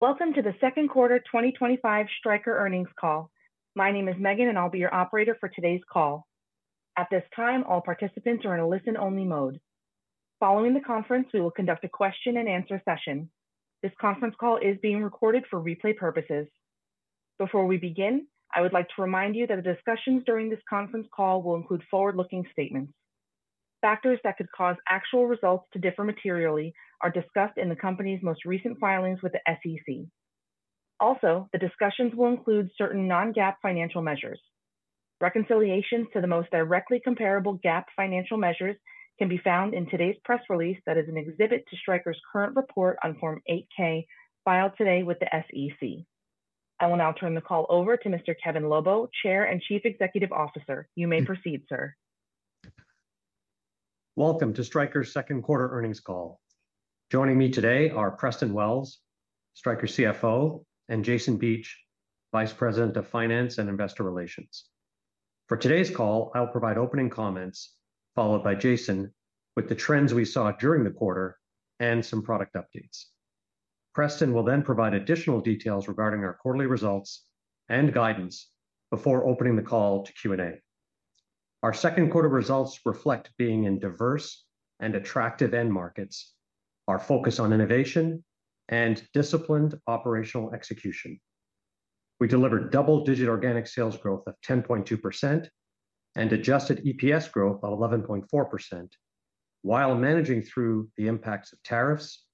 Welcome to the second quarter 2025 Stryker earnings call. My name is Megan and I'll be your operator for today's call. At this time, all participants are in a listen-only mode. Following the conference, we will conduct a question and answer session. This conference call is being recorded for replay purposes. Before we begin, I would like to remind you that the discussions during this conference call will include forward-looking statements. Factors that could cause actual results to differ materially are discussed in the company's most recent filings with the SEC. Also, the discussions will include certain non-GAAP financial measures. Reconciliations to the most directly comparable GAAP financial measures can be found in today's press release. That is an exhibit to Stryker's current report on Form 8-K filed today with the SEC. I will now turn the call over to Mr. Kevin Lobo, Chair and Chief Executive Officer. You may proceed, sir. Welcome to Stryker's second quarter Earnings Call. Joining me today are Preston Wells, Stryker CFO, and Jason Beach, Vice President of Finance and Investor Relations. For today's call, I'll provide opening comments followed by Jason with the trends we saw during the quarter and some product updates. Preston will then provide additional details regarding our quarterly results and guidance before opening the call to Q&A. Our second quarter results reflect being in diverse and attractive end markets, our focus on innovation, and disciplined operational execution. We delivered double-digit organic sales growth of 10.2% and adjusted EPS growth of 11.4% while managing through the impacts of tariffs,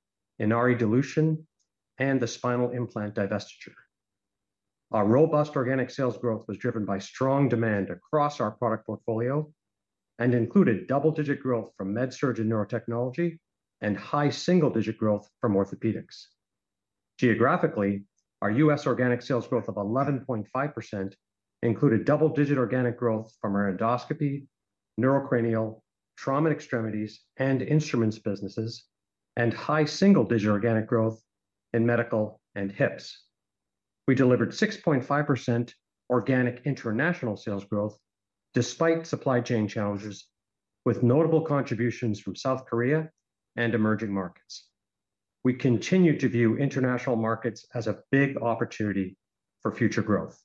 Inari dilution, and the spinal implant divestiture. Our robust organic sales growth was driven by strong demand across our product portfolio and included double-digit growth from MedSurg and Neurotechnology and high single-digit growth from Orthopaedics. Geographically, our U.S. organic sales growth of 11.5% included double-digit organic growth from our endoscopy, neurocranial, trauma, extremities, and instruments businesses and high single-digit organic growth in medical and hips. We delivered 6.5% organic international sales growth despite supply chain challenges, with notable contributions from South Korea and emerging markets. We continue to view international markets as a big opportunity for future growth.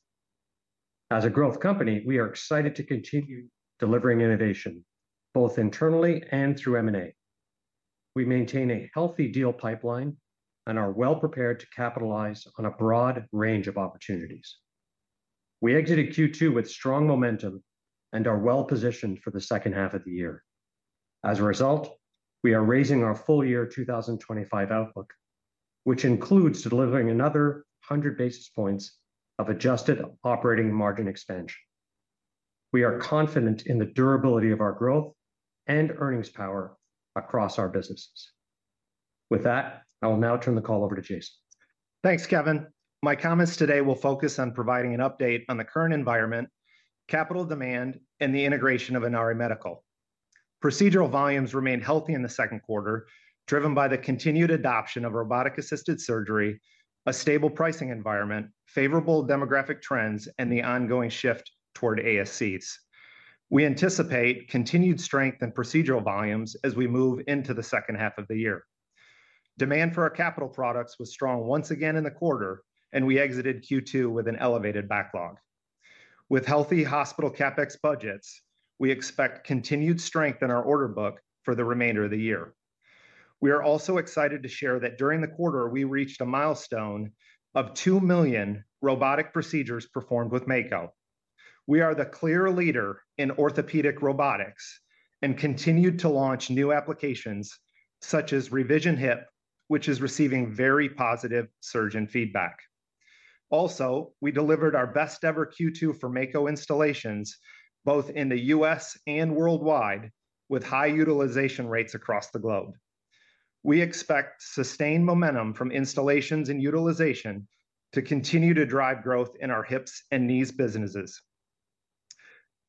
As a growth company, we are excited to continue delivering innovation both internally and through M&A. We maintain a healthy deal pipeline and are well prepared to capitalize on a broad range of opportunities. We exited Q2 with strong momentum and are well positioned for the second half of the year. As a result, we are raising our full year 2025 outlook, which includes delivering another 100 basis points of adjusted operating margin expansion. We are confident in the durability of our growth and earnings power across our businesses. With that, I will now turn the call over to Jason. Thanks Kevin. My comments today will focus on providing an update on the current environment, capital demand, and the integration of Inari Medical. Procedural volumes remained healthy in the second quarter, driven by the continued adoption of robotic assisted surgery, a stable pricing environment, favorable demographic trends, and the ongoing shift toward ASCs. We anticipate continued strength in procedural volumes as we move into the second half of the year. Demand for our capital products was strong once again in the quarter, and we exited Q2 with an elevated backlog with healthy hospital CapEx budgets. We expect continued strength in our order book for the remainder of the year. We are also excited to share that during the quarter we reached a milestone of 2 million robotic procedures performed with Mako. We are the clear leader in orthopedic robotics and continued to launch new applications such as Revision Hip, which is receiving very positive surgeon feedback. Also, we delivered our best ever Q2 for Mako installations both in the U.S. and worldwide. With high utilization rates across the globe, we expect sustained momentum from installations and utilization to continue to drive growth in our hips and knees businesses.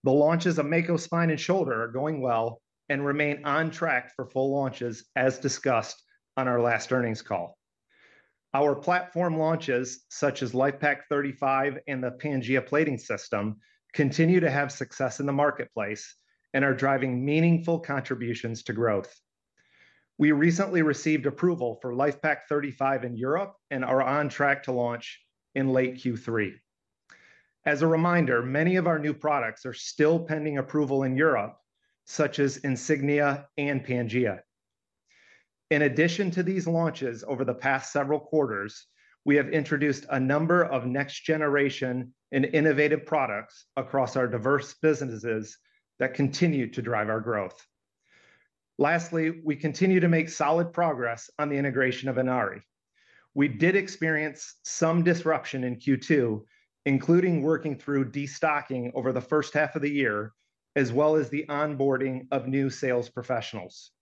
The launches of Mako Spine and Shoulder are going well and remain on track for full launches. As discussed on our last earnings call, our platform launches such as LifePak 35 and the Pangea Plating System continue to have success in the marketplace and are driving meaningful contributions to growth. We recently received approval for LifePak 35 in Europe and are on track to launch in late Q3. As a reminder, many of our new products are still pending approval in Europe such as Insignia and Pangea. In addition to these launches, over the past several quarters we have introduced a number of next generation and innovative products across our diverse businesses that continue to drive our growth. Lastly, we continue to make solid progress on the integration of Inari. We did experience some disruption in Q2, including working through destocking over the first half of the year as well as the onboarding of new sales professionals.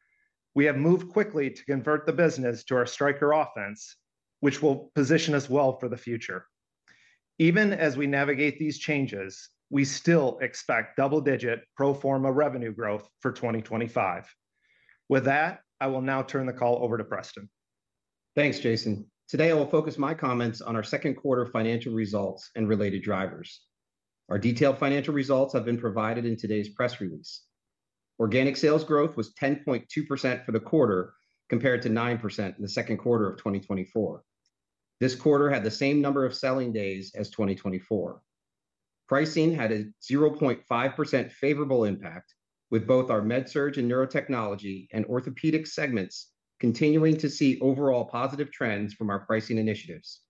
We have moved quickly to convert the business to our Stryker offense, which will position us well for the future. Even as we navigate these changes, we still expect double digit pro forma revenue growth for 2025. With that, I will now turn the call over to Preston. Thanks, Jason. Today I will focus my comments on our second quarter financial results and related drivers. Our detailed financial results have been provided in today's press release. Organic sales growth was 10.2% for the quarter compared to 9% in the second quarter of 2024. This quarter had the same number of selling days as 2024. Pricing had a 0.5% favorable impact with both our MedSurg and Neurotechnology and Orthopaedics segments continuing to see overall positive trends from our pricing initiatives.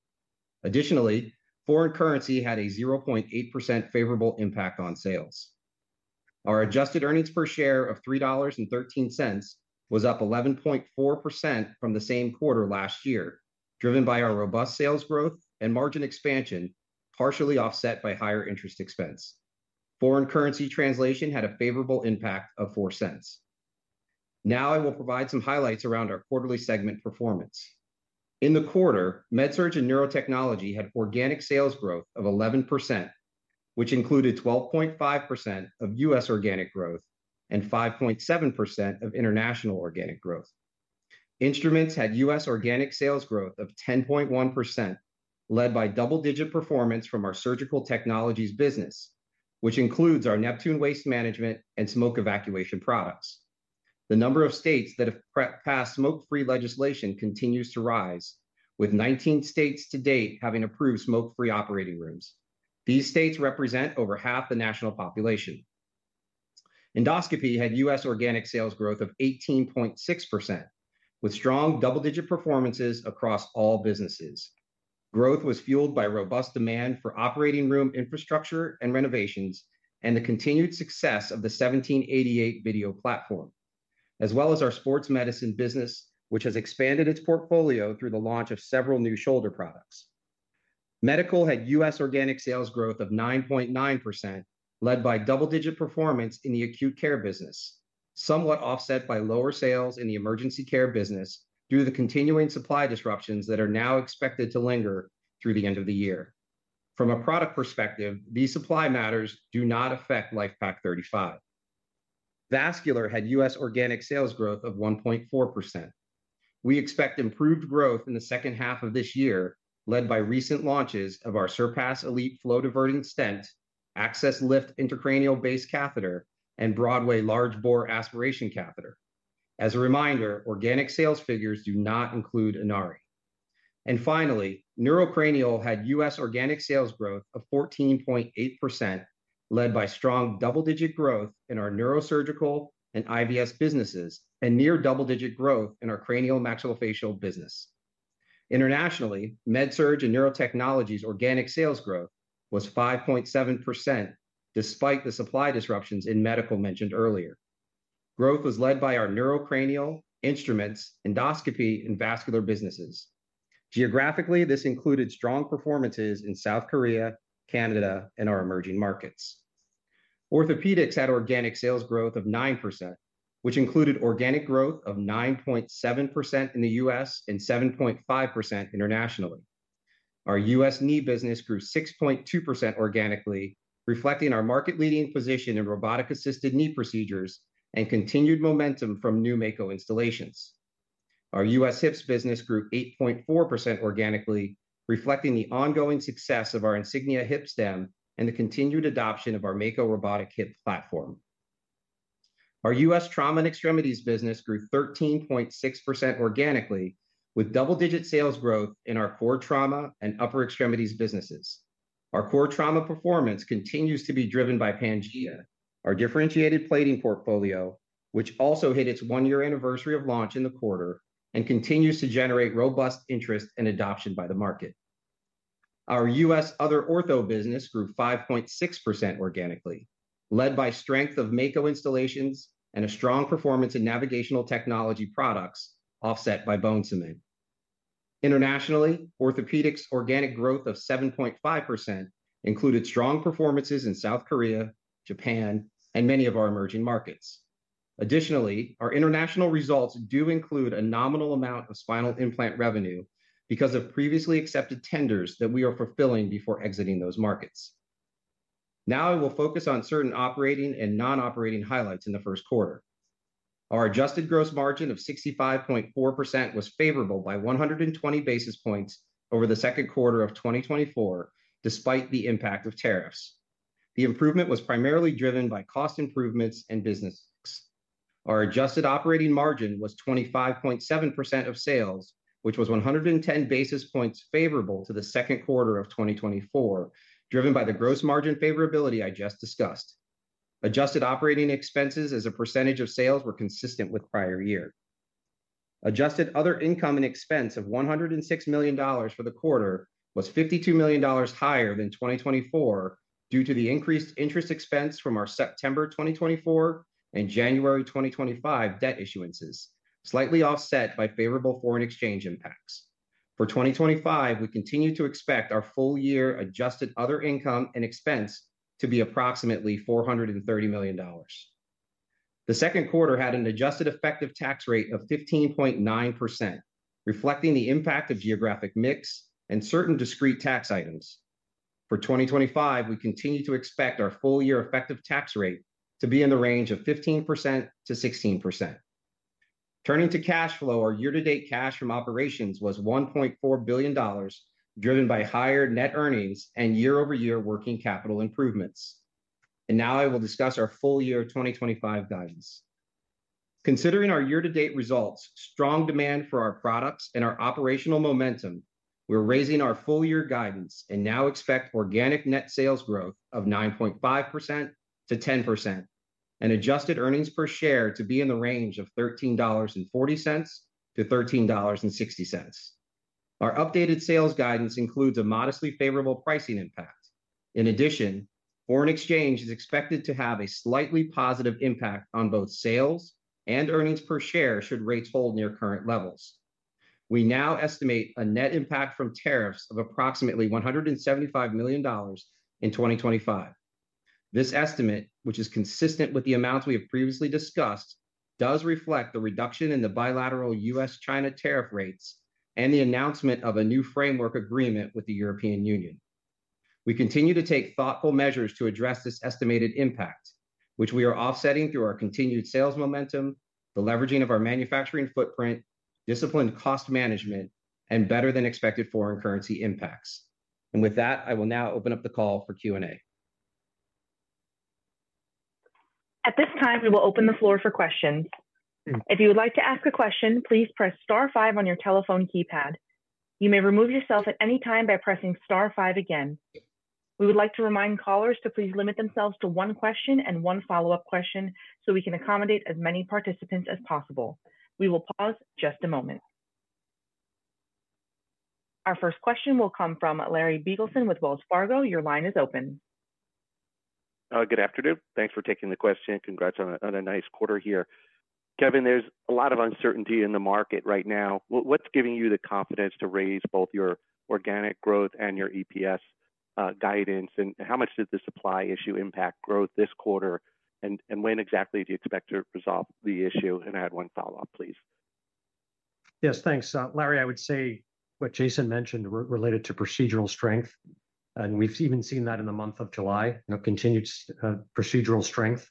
Additionally, foreign currency had a 0.8% favorable impact on sales. Our adjusted EPS of $3.13 was up 11.4% from the same quarter last year, driven by our robust sales growth and margin expansion, partially offset by higher interest expense. Foreign currency translation had a favorable impact of $0.04. Now I will provide some highlights around our quarterly segment performance in the quarter. MedSurg and Neurotechnology had organic sales growth of 11%, which included 12.5% U.S. organic growth and 5.7% international organic growth. Instruments had U.S. organic sales growth of 10.1%, led by double-digit performance from our Surgical Technologies business, which includes our NEPTUNE waste management and smoke evacuation products. The number of states that have passed smoke-free legislation continues to rise, with 19 states to date having approved smoke-free operating rooms. These states represent over half the national population. Endoscopy had U.S. organic sales growth of 18.6% with strong double-digit performances across all businesses. Growth was fueled by robust demand for operating room infrastructure and renovations and the continued success of the 1788 video platform as well as our sports medicine business, which has expanded its portfolio through the launch of several new shoulder products. Medical had U.S. organic sales growth of 9.9%, led by double-digit performance in the acute care business, somewhat offset by lower sales in the emergency care business due to the continuing supply disruptions that are now expected to linger through the end of the year. From a product perspective, these supply matters do not affect LifePak 35. Vascular had U.S. organic sales growth of 1.4%. We expect improved growth in the second half of this year, led by recent launches of our Surpass Elite Flow Diverting Stent, Access Lift, Intracranial-based Catheter, and Broadway Large Bore Aspiration Catheter. As a reminder, organic sales figures do not include Inari and finally, neurocranial had U.S. organic sales growth of 14.8% led by strong double-digit growth in our neurosurgical and IVS businesses and near double-digit growth in our cranial maxillofacial business. Internationally, MedSurg and Neurotechnology's organic sales growth was 5.7%. Despite the supply disruptions in Medical mentioned earlier, growth was led by our neurocranial instruments, endoscopy, and vascular businesses. Geographically, this included strong performances in South Korea, Canada, and our emerging markets. Orthopaedics had organic sales growth of 9%, which included organic growth of 9.7% in the U.S. and 7.5% internationally. Our U.S. knee business grew 6.2% organically, reflecting our market-leading position in robotic-assisted knee procedures and continued momentum from new Mako installations. Our U.S. hips business grew 8.4% organically, reflecting the ongoing success of our Insignia hip stem and the continued adoption of our Mako robotic hip platform. Our U.S. trauma and extremities business grew 13.6% organically, with double-digit sales growth in our core trauma and upper extremities businesses. Our core trauma performance continues to be driven by Pangea, our differentiated plating portfolio, which also hit its one-year anniversary of launch in the quarter and continues to generate robust interest and adoption by the market. Our U.S. other ortho business grew 5.6% organically, led by strength of Mako installations and a strong performance in navigational technology products, offset by bone cement. Internationally, Orthopaedics organic growth of 7.5% included strong performances in South Korea, Japan, and many of our emerging markets. Additionally, our international results do include a nominal amount of spinal implant revenue because of previously accepted tenders that we are fulfilling before exiting those markets. Now I will focus on certain operating and non-operating highlights in the first quarter. Our adjusted gross margin of 65.4% was favorable by 120 basis points over the second quarter of 2024 despite the impact of tariffs. The improvement was primarily driven by cost improvements and business mix. Our adjusted operating margin was 25.7% of sales, which was 110 basis points favorable to the second quarter of 2024, driven by the gross margin favorability I just discussed. Adjusted operating expenses as a percentage of sales were consistent with prior year. Adjusted other income and expense of $106 million for the quarter was $52 million higher than 2024 due to the increased interest expense from our September 2024 and January 2025 debt issuances, slightly offset by favorable foreign exchange impacts. For 2025, we continue to expect our full year adjusted other income and expense to be approximately $430 million. The second quarter had an adjusted effective tax rate of 15.9% reflecting the impact of geographic mix and certain discrete tax items. For 2025, we continue to expect our full year effective tax rate to be in the range of 15% to 16%. Turning to cash flow, our year to date cash from operations was $1.4 billion, driven by higher net earnings and year over year working capital improvements. Now I will discuss our full year 2025 guidance. Considering our year to date results, strong demand for our products and our operational momentum, we're raising our full year guidance and now expect organic net sales growth of 9.5% to 10% and adjusted earnings per share to be in the range of $13.40 to $13.60. Our updated sales guidance includes a modestly favorable pricing impact. In addition, foreign exchange is expected to have a slightly positive impact on both sales and earnings per share should rates hold near current levels. We now estimate a net impact from tariffs of approximately $175 million in 2025. This estimate, which is consistent with the amounts we have previously discussed, does reflect the reduction in the bilateral U.S.-China tariff rates and the announcement of a new framework agreement with the European Union. We continue to take thoughtful measures to address this estimated impact, which we are offsetting through our continued sales momentum, the leveraging of our manufacturing footprint, disciplined cost management, and better than expected foreign currency impacts. With that, I will now open up the call for Q and A. At this time, we will open the floor for questions. If you would like to ask a question, please press Star five on your telephone keypad. You may remove yourself at any time by pressing Star five again. We would like to remind callers to please limit themselves to one question and one follow-up question so we can accommodate as many participants as possible. We will pause just a moment. Our first question will come from Larry Beagleson with Wells Fargo. Your line is open. Good afternoon. Thanks for taking the question. Congrats on a nice quarter here, Kevin. There's a lot of uncertainty in the market right now. What's giving you the confidence to raise both your organic growth and your EPS guidance? How much did the supply issue impact growth this quarter? When exactly do you expect to resolve the issue? I had one follow up, please. Yes, thanks Larry. I would say what Jason mentioned related to procedural strength and we've even seen that in the month of July, continued procedural strength.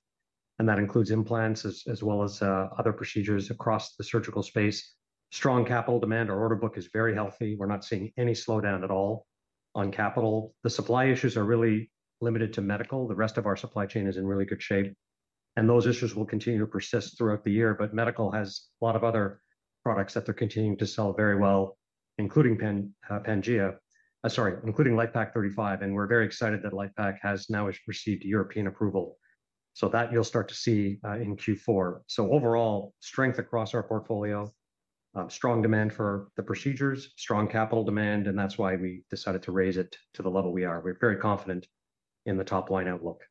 That includes implants as well as other procedures across the surgical space. Strong capital demand. Our order book is very healthy. We're not seeing any slowdown at all on capital. The supply issues are really limited to Medical. The rest of our supply chain is in really good shape, and those issues will continue to persist throughout the year. Medical has a lot of other products that they're continuing to sell very well, including Pangea Plating System, including LifePak 35, and we're very excited that LifePak has now received European approval, so that you'll start to see in Q4. Overall strength across our portfolio, strong demand for the procedures, strong capital demand. That's why we decided to raise it to the level we are. We're very confident in the top line outlook.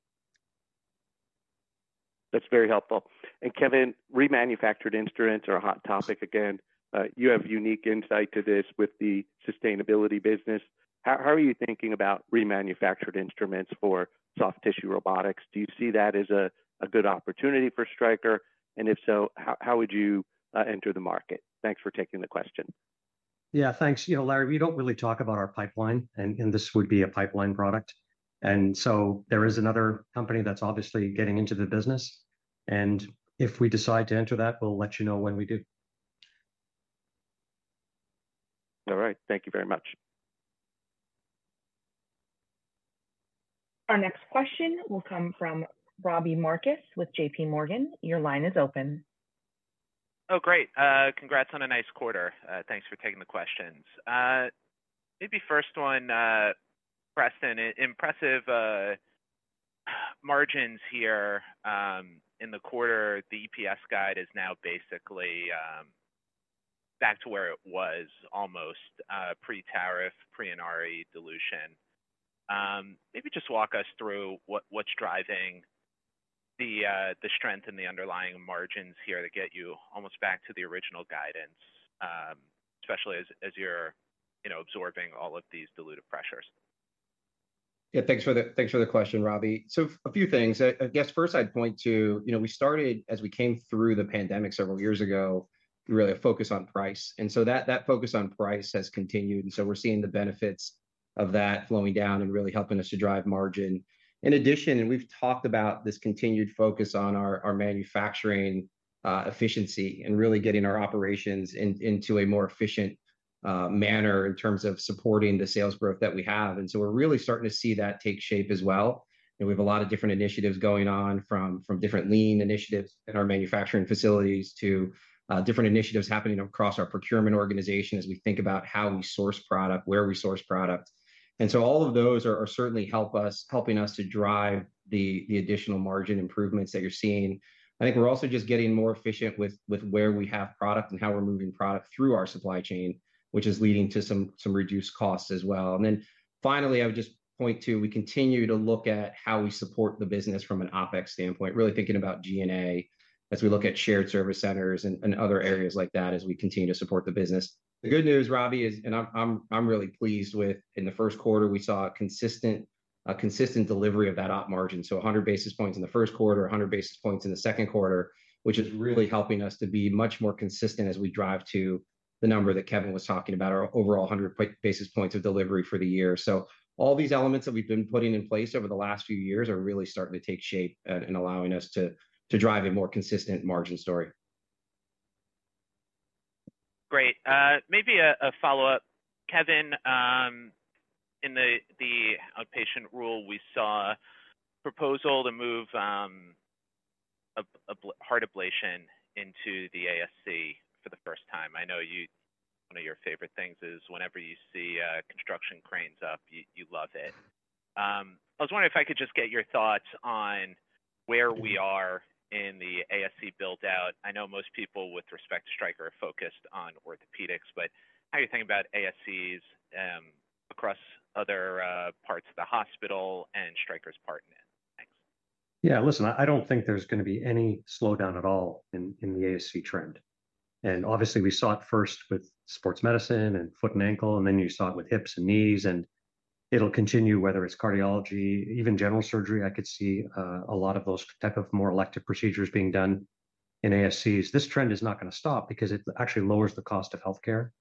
That's very helpful. Kevin, remanufactured instruments are a hot topic. You have unique insight to this with the sustainability business. How are you thinking about remanufactured instruments for soft tissue robotics? Do you see that as a good opportunity for Stryker? If so, how would you enter the market? Thanks for taking the question. Yeah, thanks, Larry. We don't really talk about our pipeline, and this would be a pipeline product. There is another company that's obviously getting into the business, and if we decide to enter that, we'll let you know when we do. All right, thank you very much. Our next question will come from Robby Marcus with JPMorgan. Your line is open. Great. Congrats on a nice quarter. Thanks for taking the questions. Maybe first one, Preston, impressive margins here in the quarter. The EPS guide is now basically back to where it was almost pre-tariff, pre-Inari dilution. Maybe just walk us through what's driving the strength in the underlying margins here to get you almost back to the original guidance, especially as you're absorbing all of these dilutive pressures. Thanks for the question, Ravi. A few things I guess first I'd point to. We started as we came through the pandemic several years ago, really a focus on price. That focus on price has continued, and we're seeing the benefits of that flowing down and really helping us to drive margin. In addition, we've talked about this continued focus on our manufacturing efficiency and really getting our operations into a more efficient manner in terms of supporting the sales growth that we have. We're really starting to see that take shape as well. We have a lot of different initiatives going on from different lean initiatives in our manufacturing facilities to different initiatives happening across our procurement organization as we think about how we source product, where we source product. All of those are certainly helping us to drive the additional margin improvements that you're seeing. I think we're also just getting more efficient with where we have product and how we're moving product through our supply chain, which is leading to some reduced costs as well. Finally, I would just point to, we continue to look at how we support the business from an OpEx standpoint, really thinking about G&A as we look at shared service centers and other areas like that as we continue to support the business. The good news, Ravi, is and I'm really pleased with, in the first quarter we saw a consistent, a consistent delivery. Of that op margin. had 100 basis points in the first quarter, 100 basis points in the second quarter, which is really helping us to be much more consistent as we drive to the number that Kevin was talking about, our overall 100 basis points of delivery for the year. All these elements that we've been putting in place over the last few years are really starting to take shape and allowing us to drive a more consistent margin story. Great. Maybe a follow up. Kevin, in the outpatient rule we saw proposal to move heart ablation into the ASC for the first time. I know one of your favorite things is whenever you see construction cranes up, you love it. I was wondering if I could just get your thoughts on where we are in the ASC buildout. I know most people with respect to Stryker are focused on Orthopaedics, but how you think about ASCs across other parts of the hospital and Stryker's part in it. Thanks. Yeah, listen, I don't think there's going to be any slowdown at all in the ASC trend. Obviously, we saw it first with sports medicine and foot and ankle, and then you saw it with hips and knees. It'll continue, whether it's cardiology or even general surgery. I could see a lot of those type of more elective procedures being done in ASCs. This trend is not going to stop because it actually lowers the cost of health care.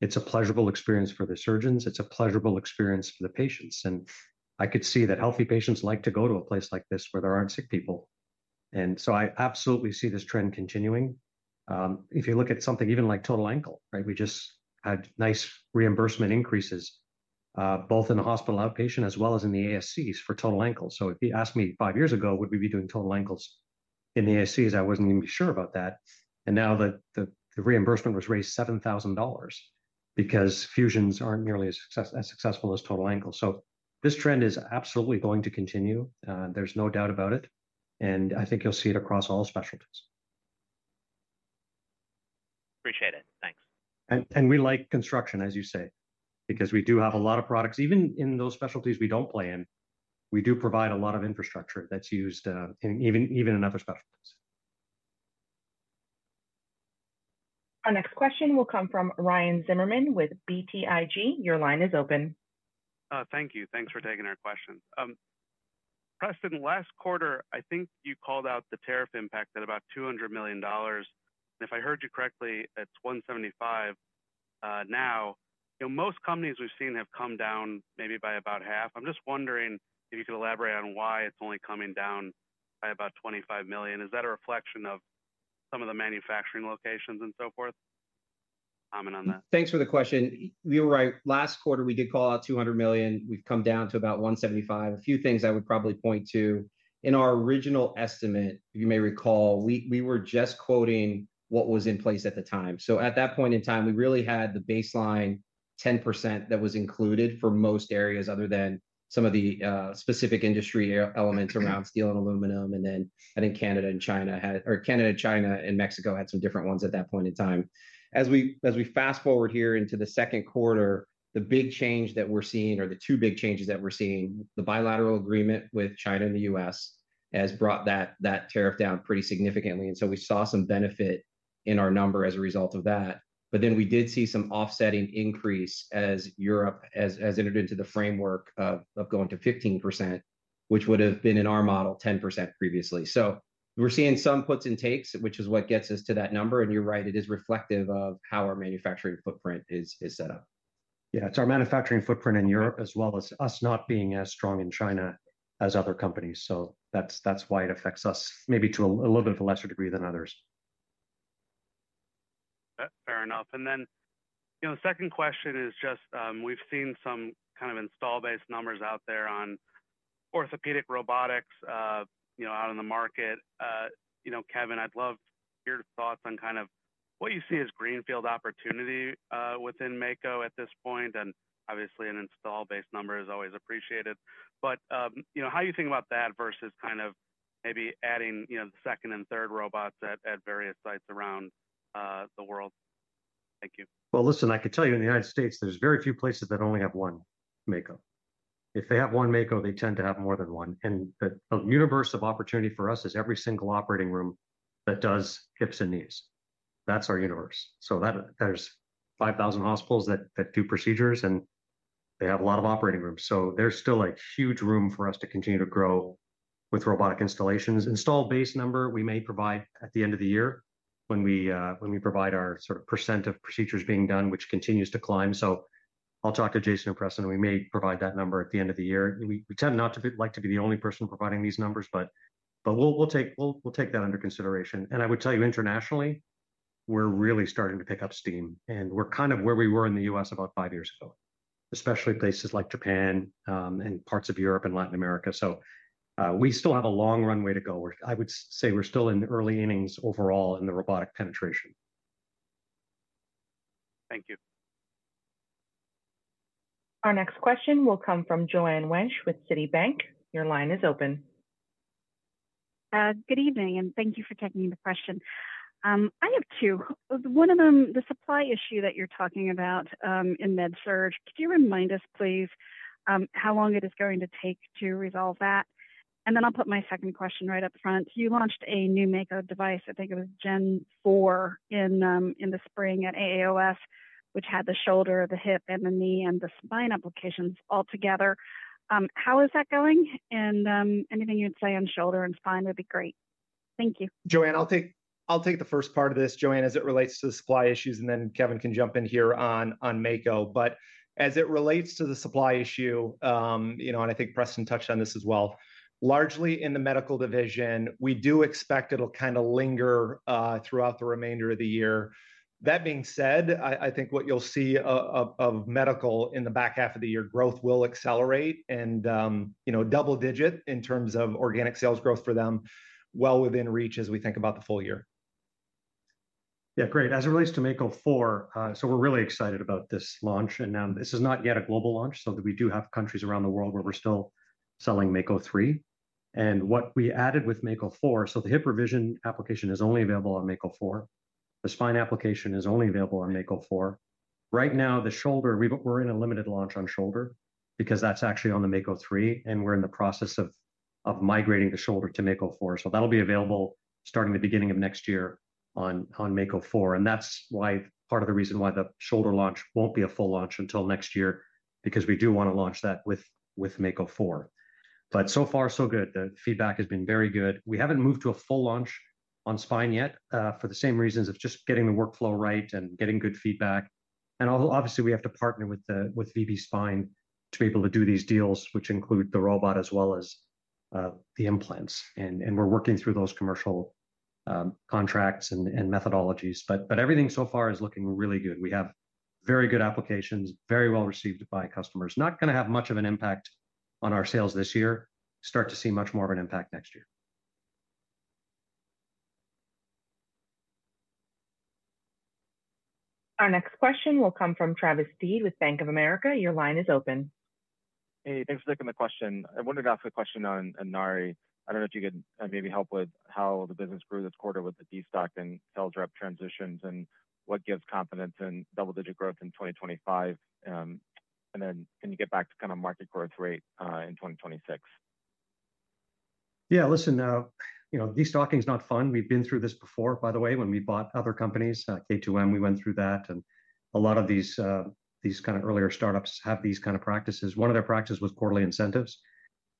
It's a pleasurable experience for the surgeons. It's a pleasurable experience for the patients. I could see that healthy patients like to go to a place like this where there aren't sick people. I absolutely see this trend continuing. If you look at something even like total ankle, right, we just had nice reimbursement increases both in the hospital outpatient as well as in the ASCs for total ankle. If you asked me five years ago, would we be doing total ankles in the ASCs, I wasn't even sure about that. Now that the reimbursement was raised, $7,000 because fusions aren't nearly as successful as total ankle. This trend is absolutely going to continue. There's no doubt about it. I think you'll see it across all specialties. Appreciate it. Thanks. We like construction, as you say, because we do have a lot of products even in those specialties we don't play in. We provide a lot of infrastructure that's used even in other specialties. Our next question will come from Ryan Zimmerman with BTIG. Your line is open. Thank you. Thanks for taking our question. Preston, last quarter I think you called out the tariff impact at about $200 million. If I heard you correctly, it's $175 million now. Most companies we've seen have come down maybe by about half. I'm just wondering if you could elaborate on why it's only coming down by about $25 million. Is that a reflection of some of the manufacturing locations and so forth? Comment on that. Thanks for the question. You're right. Last quarter we did call out $200 million. We've come down to about $175 million. A few things I would probably point to in our original estimate, you may recall, we were just quoting what was in place at the time. At that point in time we really had the baseline 10% that was included for most areas other than some of the specific industry elements around steel and aluminum. I think Canada, China, and Mexico had some different ones at that point in time. As we fast forward here into the second quarter, the big change that we're seeing, or the two big changes that we're seeing, the bilateral agreement with China and the U.S. has brought that tariff down pretty significantly. We saw some benefit in our number as a result of that. We did see some offsetting increase as Europe has entered into the framework of going to 15%, which would have been in our model 10% previously. We're seeing some puts and takes, which is what gets us to that number. You're right, it is reflective of how our manufacturing footprint is set up. Yeah, it's our manufacturing footprint in Europe as well as us not being as strong in China as other companies. That's why it affects us maybe to a little bit of a lesser degree than others. Fair enough. The second question is just we've seen some kind of install base numbers out there on orthopedic robotics out in the market. Kevin, I'd love your thoughts on what you see as greenfield opportunity within Mako at this point. Obviously, an install base number is always appreciated. You know how you think about that versus maybe adding the second and third robots at various sites around the world. Thank you. I could tell you in the U.S. there's very few places that only have one Mako. If they have one Mako, they tend. To have more than one. The universe of opportunity for us is every single operating room that does hips and knees. That's our universe. There are 5,000 hospitals that do procedures and they have a lot of operating rooms. There is still a huge room for us to continue to grow with robotic installations installed. Base number we may provide at the end of the year when we provide our sort of % of procedures being done, which continues to climb. I'll talk to Jason and Preston. We may provide that number at the end of the year. We tend not to like to be the only person providing these numbers, but we'll take that under consideration. I would tell you internationally, we're really starting to pick up steam and we're kind of where we were in the U.S. about five years ago, especially places like Japan and parts of Europe and Latin America. We still have a long runway to go. I would say we're still in the early innings overall in the robotic penetration. Thank you. Our next question will come from Joanne Wench with Citibank. Your line is open. Good evening and thank you for taking the question. I have two. One of them, the supply issue that you're talking about in MedSurg. Could you remind us please how long it is going to take to resolve that, and then I'll put my second question right up front. You launched a new make of device, I think it was Gen 4 in the spring at AAOS, which had the shoulder, the hip, the knee, and the spine applications altogether. How is that going? Anything you'd say on shoulder and spine would be great. Thank you, Joanne. I'll take the first part of this, Joanne, as it relates to the supply issues and then Kevin can jump in here on Mako. As it relates to the supply issue, and I think Preston touched on this as well, largely in the medical division, we do expect it'll kind of linger throughout the remainder of the year. That being said, I think what you'll see of medical in the back half of the year, growth will accelerate and double digit in terms of organic sales growth for them. That is within reach as we think about the full year. Yeah. Great. As it relates to Mako 4, we're really excited about this launch. This is not yet a global launch, so we do have countries around the world where we're still selling Mako 3. What we added with Mako 4, the hip revision application is only available on Mako 4, the spine application is only available on Mako 4. Right now the shoulder, we're in a limited launch on shoulder because that's actually on the Mako 3, and we're in the process of migrating the shoulder to Mako 4. That'll be available starting the beginning of next year on Mako 4, which is part of the reason why the shoulder launch won't be a full launch until next year because we do want to launch that with Mako 4. So far so good. The feedback has been very good. We haven't moved to a full launch on spine yet for the same reasons of just getting the workflow right and getting good feedback. Obviously we have to partner with VB Spine to be able to do these deals which include the robot as well as the implants, and we're working through those commercial contracts and methodologies. Everything so far is looking really good. We have very good applications, very well received by customers. Not going to have much of an impact on our sales this year. Start to see much more of an impact next year. Our next question will come from Travis Deed with Bank of America. Your line is open. Hey, thanks for taking the question. I wanted to ask a question on Inari Medical. I don't know if you could maybe help with how the business grew this quarter with the destock and sales rep transitions, and what gives confidence in double digit growth in 2025, and then can you get back to kind of market growth rate in 2026? Yeah, listen, you know destocking is not fun. We've been through this before, by the way, when we bought other companies, K2M we went through that. A lot of these kind of earlier startups have these kind of practices. One of their practices was quarterly incentives,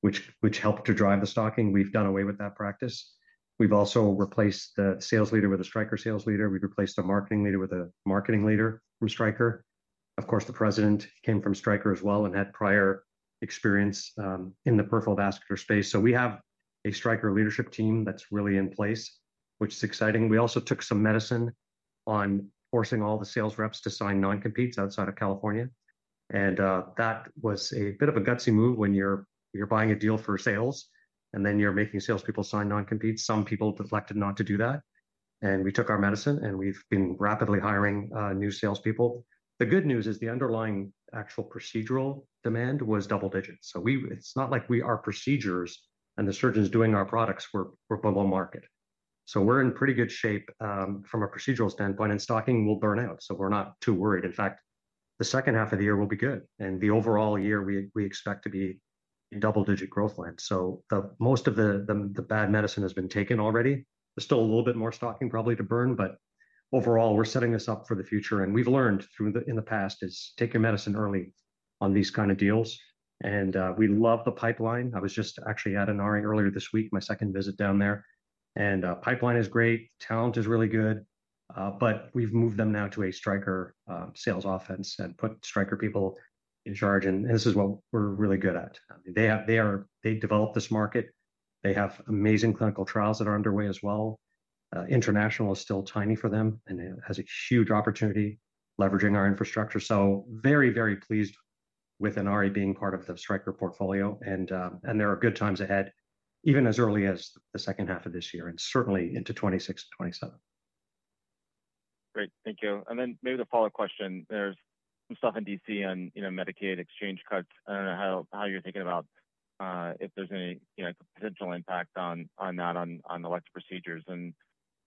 which helped to drive the stocking. We've done away with that practice. We've also replaced the sales leader with a Stryker sales leader. We've replaced the marketing leader with a marketing leader from Stryker. Of course, the President came from Stryker as well and had prior experience in the peripheral vascular space. We have a Stryker leadership team that's really in place, which is exciting. We also took some medicine on forcing all the sales reps to sign non-competes outside of California, and that was a bit of a gutsy move when you're buying a deal for sales and then you're making salespeople sign non-compete. Some people deflected not to do that, and we took our medicine and we've been rapidly hiring new salespeople. The good news is the underlying actual procedural demand was double digits. It's not like our procedures and the surgeons doing our products were below market. We're in pretty good shape from a procedural standpoint, and stocking will burn out, so we're not too worried. In fact, the second half of the year will be good, and the overall year we expect to be double digit growth length. Most of the bad medicine has been taken already. There's still a little bit more stocking probably to burn, but overall we're setting this up for the future. What we've learned in the past is take your medicine early on these kind of deals. We love the pipeline. I was just actually at Inari earlier this week, my second visit down there, and pipeline is great. Talent is really good. We've moved them now to a Stryker sales offense and put Stryker people in charge. This is what we're really good at. They develop this market. They have amazing clinical trials that are underway as well. International is still tiny for them and it has a huge opportunity leveraging our infrastructure. Very, very pleased with Inari being part of the Stryker portfolio. There are good times ahead, even as early as the second half of this year and certainly into 2026 and 2027. Great, thank you. Maybe the follow up question. There's some stuff in D.C. on Medicaid exchange cuts. I don't know how you're thinking about if there's any potential impact on that on elective procedures.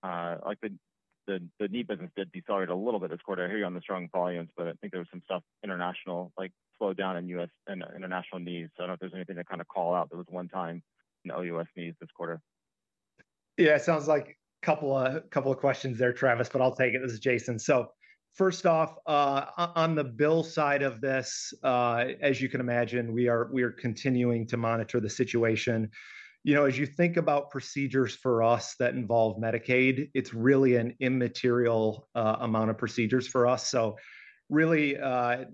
The knee business did decelerate a little bit this quarter. I hear you on the strong volumes, but I think there was some stuff international like slow down in U.S. and international knees. I don't know if there's anything to kind of call out. That was one time in OUS knees this quarter. Yeah, it sounds like a couple of questions there, Travis, but I'll take it. This is Jason. First off on the bill side of this, as you can imagine, we are continuing to monitor the situation. As you think about procedures for us that involve Medicaid, it's really an immaterial amount of procedures for us.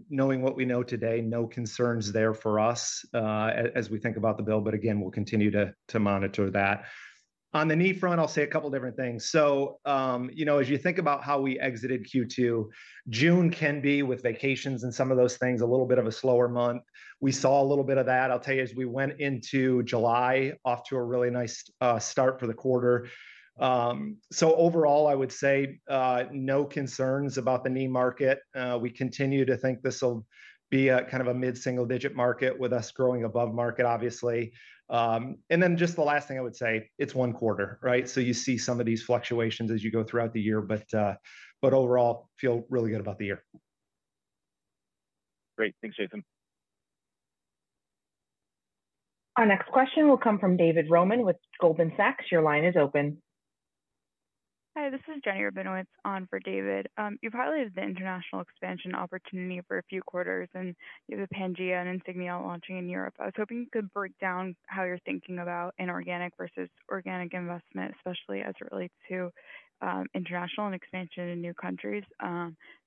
Knowing what we know today, no concerns there for us as we think about the bill, but again, we'll continue to monitor that. On the knee front, I'll say a couple different things. As you think about how we exited Q2, June can be, with vacations and some of those things, a little bit of a slower month. We saw a little bit of that. I'll tell you as we went into July, off to a really nice start for the quarter. Overall, I would say no concerns about the knee market. We continue to think this will be a kind of a mid single digit market with us growing above market obviously. Just the last thing I would say, it's one quarter. You see some of these fluctuations as you go throughout the year, but overall feel really good about the year. Great, thanks Nathan. Our next question will come from David Roman with Goldman Sachs. Your line is open. Hi, this is Jenny Rabinowitz on for David. You've highlighted the international expansion opportunity for a few quarters and you have the Pangea and Insignia launching in Europe. I was hoping you could break down how you're thinking about inorganic versus organic investment, especially as it relates to international and expansion in new countries.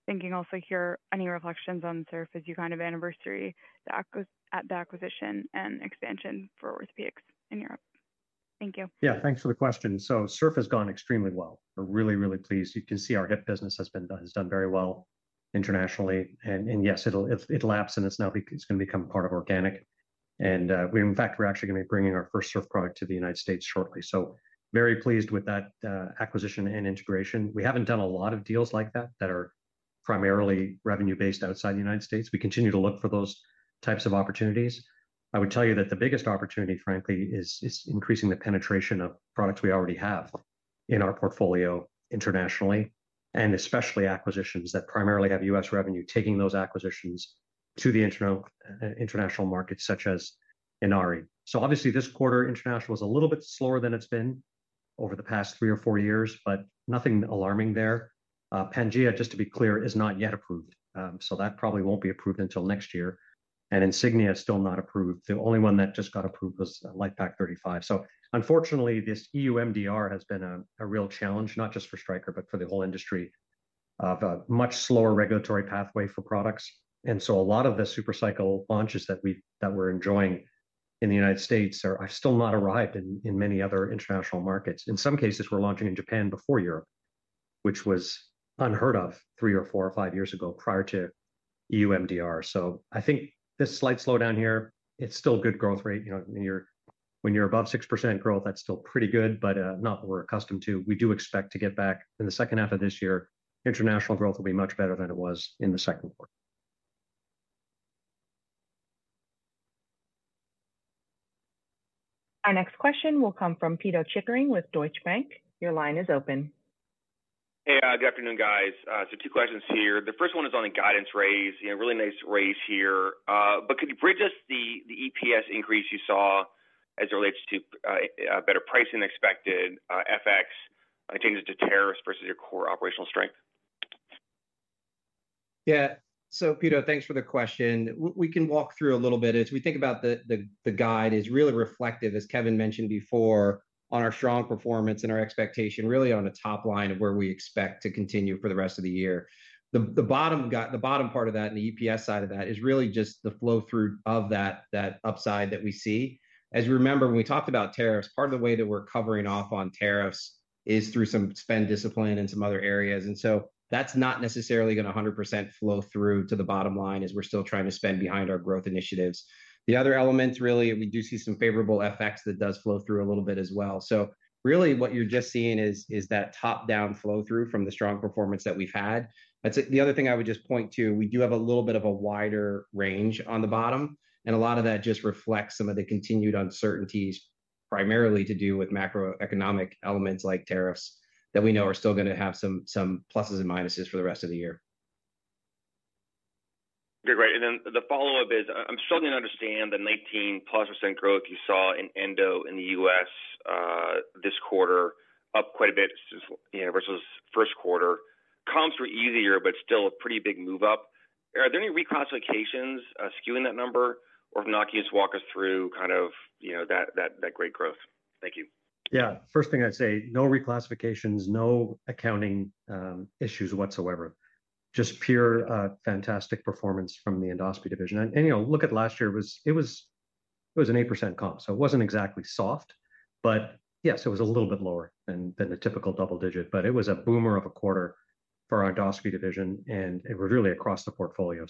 Thinking also here any reflections on Surf as you kind of anniversary at the acquisition and expansion for Orthopaedics in Europe. Thank you. Yeah, thanks for the question. Surf has gone extremely well. We're really, really pleased. You can see our hip business has done very well internationally and yes, it'll lapse and now it's going to become part of Organic, and we are actually going to be bringing our first Surf product to the United States shortly. Very pleased with that acquisition and integration. We haven't done a lot of deals like that that are primarily revenue based outside the United States. We continue to look for those types of opportunities. I would tell you that the biggest opportunity, frankly, is increasing the penetration of products we already have in our portfolio internationally, and especially acquisitions that primarily have U.S. revenue, taking those acquisitions to the international markets such as Inari. Obviously, this quarter international was a little bit slower than it's been over the past three or four years, but nothing alarming there. Pangea, just to be clear, is not yet approved, so that probably won't be approved until next year. Insignia is still not approved. The only one that just got approved was LifePak 35. Unfortunately, this EU MDR has been a real challenge, not just for Stryker, but for the whole industry, with a much slower regulatory pathway for products. A lot of the super cycle launches that we're enjoying in the United States are still not arrived in many other international markets. In some cases, we're launching in Japan before Europe, which was unheard of three or four or five years ago prior to EU MDR. I think this slight slowdown here is still a good growth rate. When you're above 6% growth, that's still pretty good, but not what we're accustomed to. We do expect to get back in the second half of this year. International growth will be much better than it was in the second quarter. Our next question will come from Peter Chickering with Deutsche Bank. Your line is open. Hey, good afternoon guys. Two questions here. The first one is on the guidance raise. Really nice raise here, but could you bridge us the EPS increase you saw as it relates to better pricing than expected, FX changes, to tariffs versus your core operational strength? Yeah. Peter, thanks for the question. We can walk through a little bit as we think about the guide. It is really reflective, as Kevin mentioned before, of our strong performance and our expectation really on the top line of where we expect to continue for the rest of the year. The bottom part of that and the EPS side of that is really just the flow through of that upside that we see. As you remember, when we talked about tariffs, part of the way that we're covering off on tariffs is through some spend discipline and some other areas, and that's not necessarily going to 100% flow through to the bottom line as we're still trying to spend behind our growth initiatives. The other elements really, we do see some favorable FX that does flow through. A little bit as well. What you're just seeing is that top down flow through from the strong performance that we've had. The other thing I would just point to, we do have a little bit of a wider range on the bottom, and a lot of that just reflects some of the continued uncertainties, primarily to do with macroeconomic elements like tariffs that we know are still going to have some pluses and minuses for the rest of the year. The follow up is I'm starting to understand the 19% plus growth you saw in Endo in the U.S. this quarter, up quite a bit since versus first quarter comps were easier, but still a pretty big move up. Are there any reclassifications skewing that number, or if not, can you just walk us through, you know, that great growth? Thank you. Yeah, first thing I'd say no reclassifications, no accounting issues whatsoever, just pure fantastic performance from the endoscopy division. You know, look at last year, it was an 8% comp. It wasn't exactly soft, but yes, it was a little bit lower than the typical double digit, but it was a boomer of a quarter for our endoscopy division and it was really across the portfolio.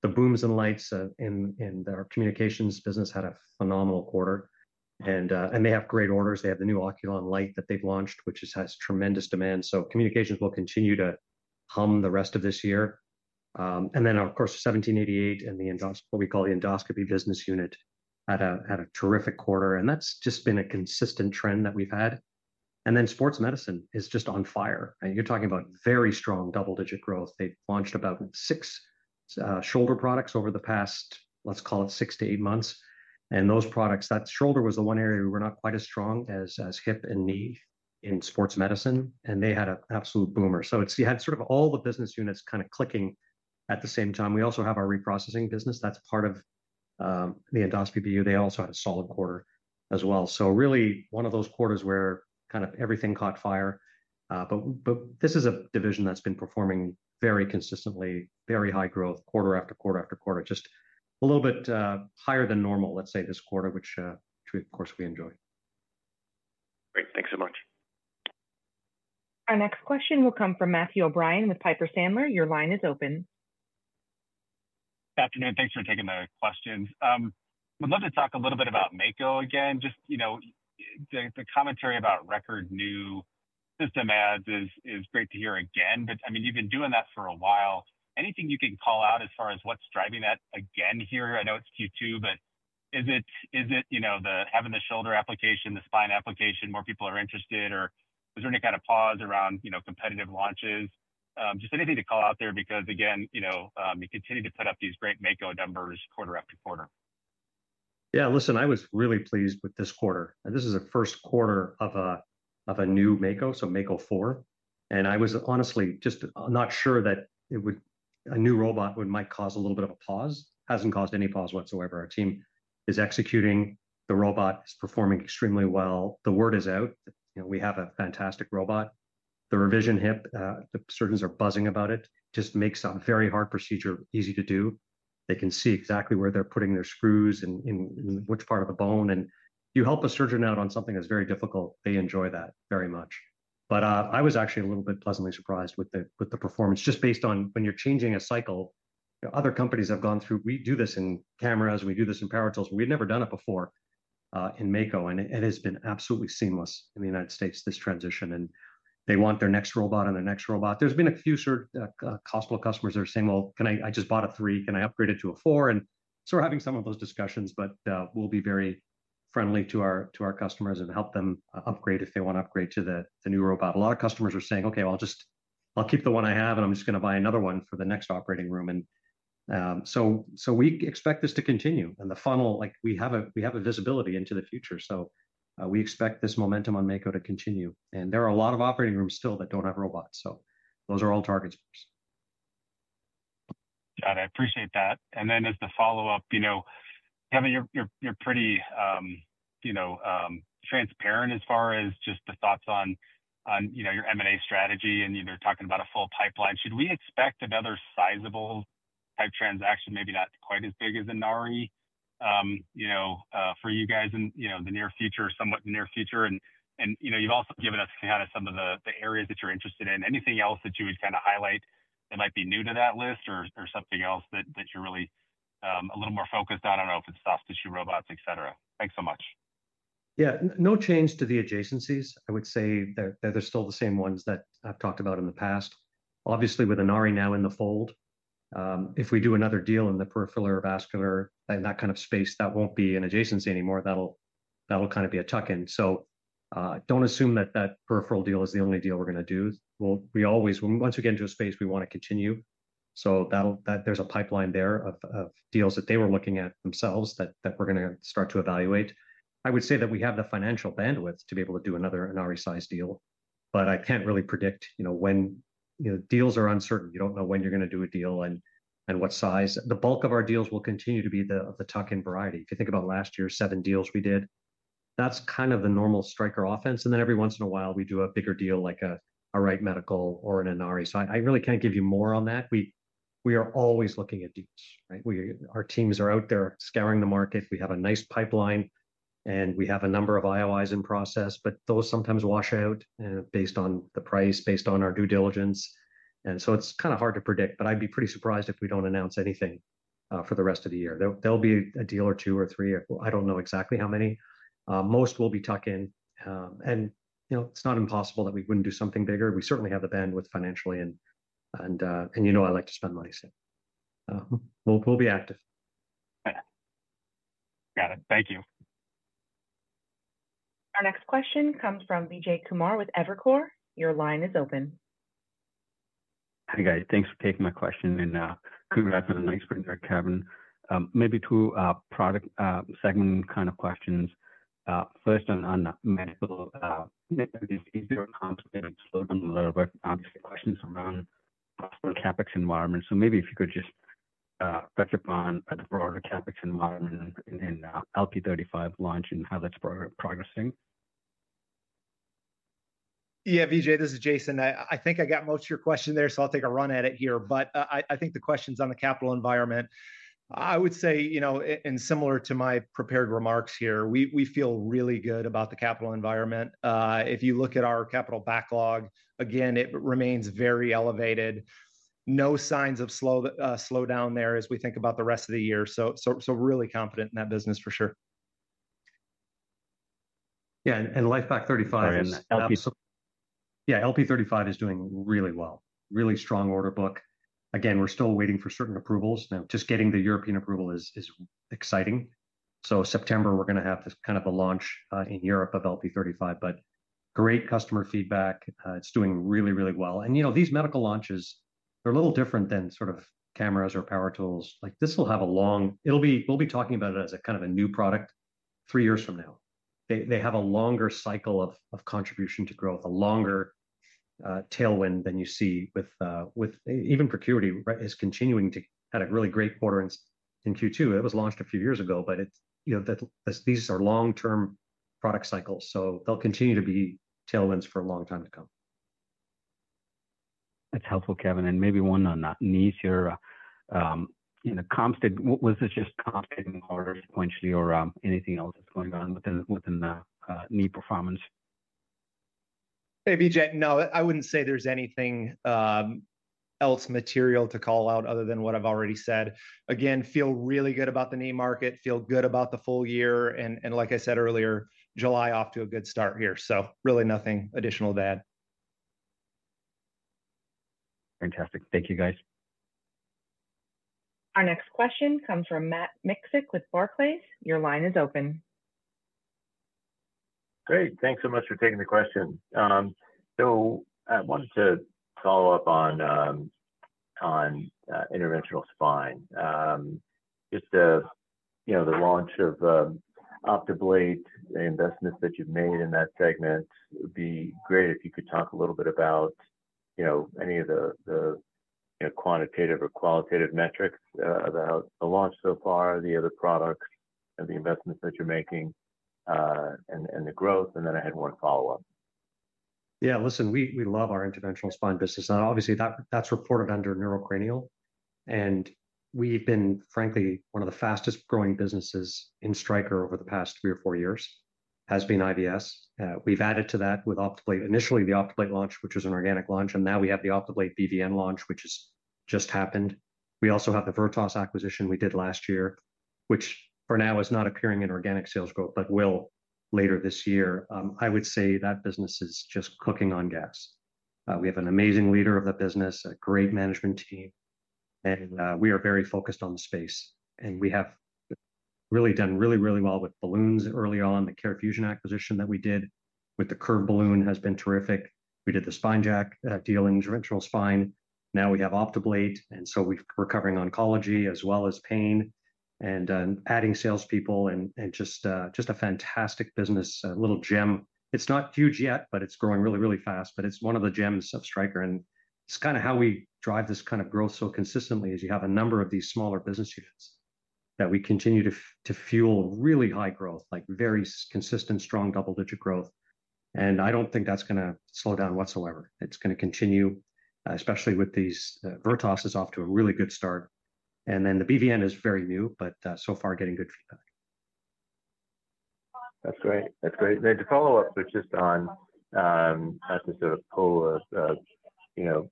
The booms and lights in our communications business had a phenomenal quarter and they have great orders. They have the new Oculon light that they've launched, which has tremendous demand. Communications will continue to hum the rest of this year. Of course, 1788 and the endoscope, what we call the endoscopy business unit, had a terrific quarter and that's just been a consistent trend that we've had. Sports medicine is just on fire. You're talking about very strong double digit growth. They've launched about six shoulder products over the past, let's call it six to eight months. Those products, that shoulder was the one area we were not quite as strong as hip and knee in sports medicine and they had an absolute boomer. You had sort of all the business units kind of clicking at the same time. We also have our reprocessing business that's part of the endoscopy. They also had a solid quarter as well. Really one of those quarters where kind of everything caught fire. This is a division that's been performing very consistently. Very high growth quarter after quarter after quarter. Just a little bit higher than normal, let's say this quarter, which, which of course we enjoy. Great, thanks so much. Our next question will come from Matthew O'Brien with Piper Sandler. Your line is open. Afternoon. Thanks for taking the questions. I'd love to talk a little bit about Mako again. The commentary about record new system ads is great to hear again, but I mean you've been doing that for a while. Anything you can call out as far as what's driving that again here? I know it's Q2, but is it the having the shoulder application, the spine application, more people are interested, or is there any kind of pause around competitive launches? Just anything to call out there, because again, you continue to put up these great Mako numbers quarter after quarter. Yeah, listen, I was really pleased with this quarter. This is the first quarter of a new Mako, so Mako 4. I was honestly just not sure that it would. A new robot might cause a little bit of a pause. It hasn't caused any pause whatsoever. Our team is executing, the robot is performing extremely well. The word is out. We have a fantastic robot. The revision hip the surgeons are buzzing about. It just makes a very hard procedure easy to do. They can see exactly where they're putting their screws and which part of the bone, and you help a surgeon out on something that's very difficult. They enjoy that very much. I was actually a little bit pleasantly surprised with the performance just based on when you're changing a cycle. Other companies have gone through. We do this in cameras, we do this in power tools. We've never done it before in Mako. It has been absolutely seamless in the U.S., this transition. They want their next robot and their next robot. There's been a few customers that are saying, can I, I just bought a 3, can I upgrade it to a 4? We're having some of those discussions, but we'll be very friendly to our customers and help them upgrade if they want to upgrade to the new robot. A lot of customers are saying, okay, I'll just keep the one I have and I'm just going to buy another one for the next operating room. We expect this to continue and the funnel, like we have a, we have a visibility into the future, so we expect this momentum on Mako to continue. There are a lot of operating rooms still that don't have robots. Those are all targets. Got it. I appreciate that. As the follow up, you know, Kevin, you're pretty, you know, transparent as far as just the thoughts on, you know, your M&A strategy and you're talking about a full pipeline. Should we expect another sizable type transaction, maybe not quite as big as Inari, you know, for you guys in the near future, somewhat near future? You know, you've also given us kind of some of the areas that you're interested in. Anything else that you would kind of highlight that might be new to that list or something else that you're really a little more focused on? I don't know if it's soft tissue, robots, etc. Thanks so much. Yeah, no change to the adjacencies. I would say that they're still the same ones that I've talked about in the past. Obviously with Inari now in the fold, if we do another deal in the peripheral or vascular and that kind of space, that won't be an adjacency anymore. That'll kind of be a tuck in. Don't assume that that peripheral deal is the only deal we're going to do. Once we get into a space we want to continue. There's a pipeline there of deals that they were looking at themselves that we're going to start to evaluate. I would say that we have the financial bandwidth to be able to do another Inari size deal. I can't really predict, you know, when you know deals are uncertain, you don't know when you're going to do a deal and what size. The bulk of our deals will continue to be the tuck in variety. If you think about last year, seven deals we did, that's kind of the normal Stryker offense. Every once in a while we do a bigger deal like a Wright Medical or an Inari. I really can't give you more on that. We are always looking at deals, right. Our teams are out there scouring the market. We have a nice pipeline and we have a number of IOIs in process but those sometimes wash out based on the price, based on our due diligence and so it's kind of hard to predict. I'd be pretty surprised if we don't announce anything for the rest of the year. There'll be a deal or two or three. I don't know exactly how many. Most will be tuck in and you know, it's not impossible that we wouldn't do something bigger. We certainly have the bandwidth financially and you know, I like to spend money. We'll be active. Got it. Thank you. Our next question comes from Vijay Kumar with Evercore. Your line is open. Hi guys. Thanks for taking my question and congrats on the nice spring so far. Maybe two product segment kind of questions. First on medical a little bit, obviously questions around CapEx environment. If you could just touch upon the broader CapEx environment and LifePak 35 launch and how that's progressing. Yeah, Vijay, this is Jason. I think I got most of your question there, so I'll take a run at it here. I think the question's on the capital environment. I would say, you know, similar to my prepared remarks here, we feel really good about the capital environment. If you look at our capital backlog again, it remains very elevated. No signs of slowdown there as we think about the rest of the year. Really confident in that business for sure. Yeah. And LifePak 35. Yeah. LifePak 35 is doing really well. Really strong order book again. We're still waiting for certain approvals, now just getting the European approval is exciting. September we're going to have this kind of a launch in Europe of LifePak 35. Great customer feedback. It's doing really, really well. These medical launches, they're a little different than sort of cameras or power tools. This will have a long, we'll be talking about it as a kind of a new product three years from now. They have a longer cycle of contribution to growth, a longer tailwind than you see with even. Procurity is continuing to have a really great quarter in Q2. It was launched a few years ago, but these are long-term product cycles, so they'll continue to be tailwinds for a long time to come. That's helpful, Kevin. Maybe one on knees, was this just componentially or anything else going on within the knee performance? No, I wouldn't say there's anything else material to call out other than what I've already said. Again, feel really good about the knee market, feel good about the full year, and like I said earlier, July off to a good start here. Really nothing additional that. Fantastic. Thank you, guys. Our next question comes from Matt Miksek with Barclays. Your line is open. Great. Thanks so much for taking the question. I wanted to follow up on interventional spine, just the launch of Optivlate, investments that you've made in that segment. It would be great if you could talk a little bit about any of the quantitative or qualitative metrics about the launch so far, the other products and the investments that you're making and the growth. I had one follow up. Yeah, listen, we love our interventional spine business and obviously that's reported under neurocranial. Frankly, one of the fastest growing businesses in Stryker over the past three or four years has been IVS. We've added to that with Optiplate, initially the Optiplate launch, which is an organic launch, and now we have the Optiplate BVN launch, which just happened. We also have the Vertos acquisition we did last year, which for now is not appearing in organic sales growth but will later this year. I would say that business is just cooking on gas. We have an amazing leader of the business, a great management team, and we are very focused on the space. We have really done really, really well with balloons early on. The CareFusion acquisition that we did with the Curve balloon has been terrific. We did the SpineJack deal in ventral spine. Now we have Optiblade, and we're covering oncology as well as pain and adding salespeople. Just a fantastic business. Little gem. It's not huge yet, but it's growing really, really fast. It's one of the gems of Stryker, and it's kind of how we drive this kind of growth so consistently. You have a number of these smaller business units that we continue to fuel really high growth, like very consistent, strong double-digit growth. I don't think that's going to slow down whatsoever. It's going to continue, especially with these. Vertos is off to a really good start, and then the BVN is very new, but so far getting good feedback. That's great. That's great to follow up with. Not to sort of pull a, you know,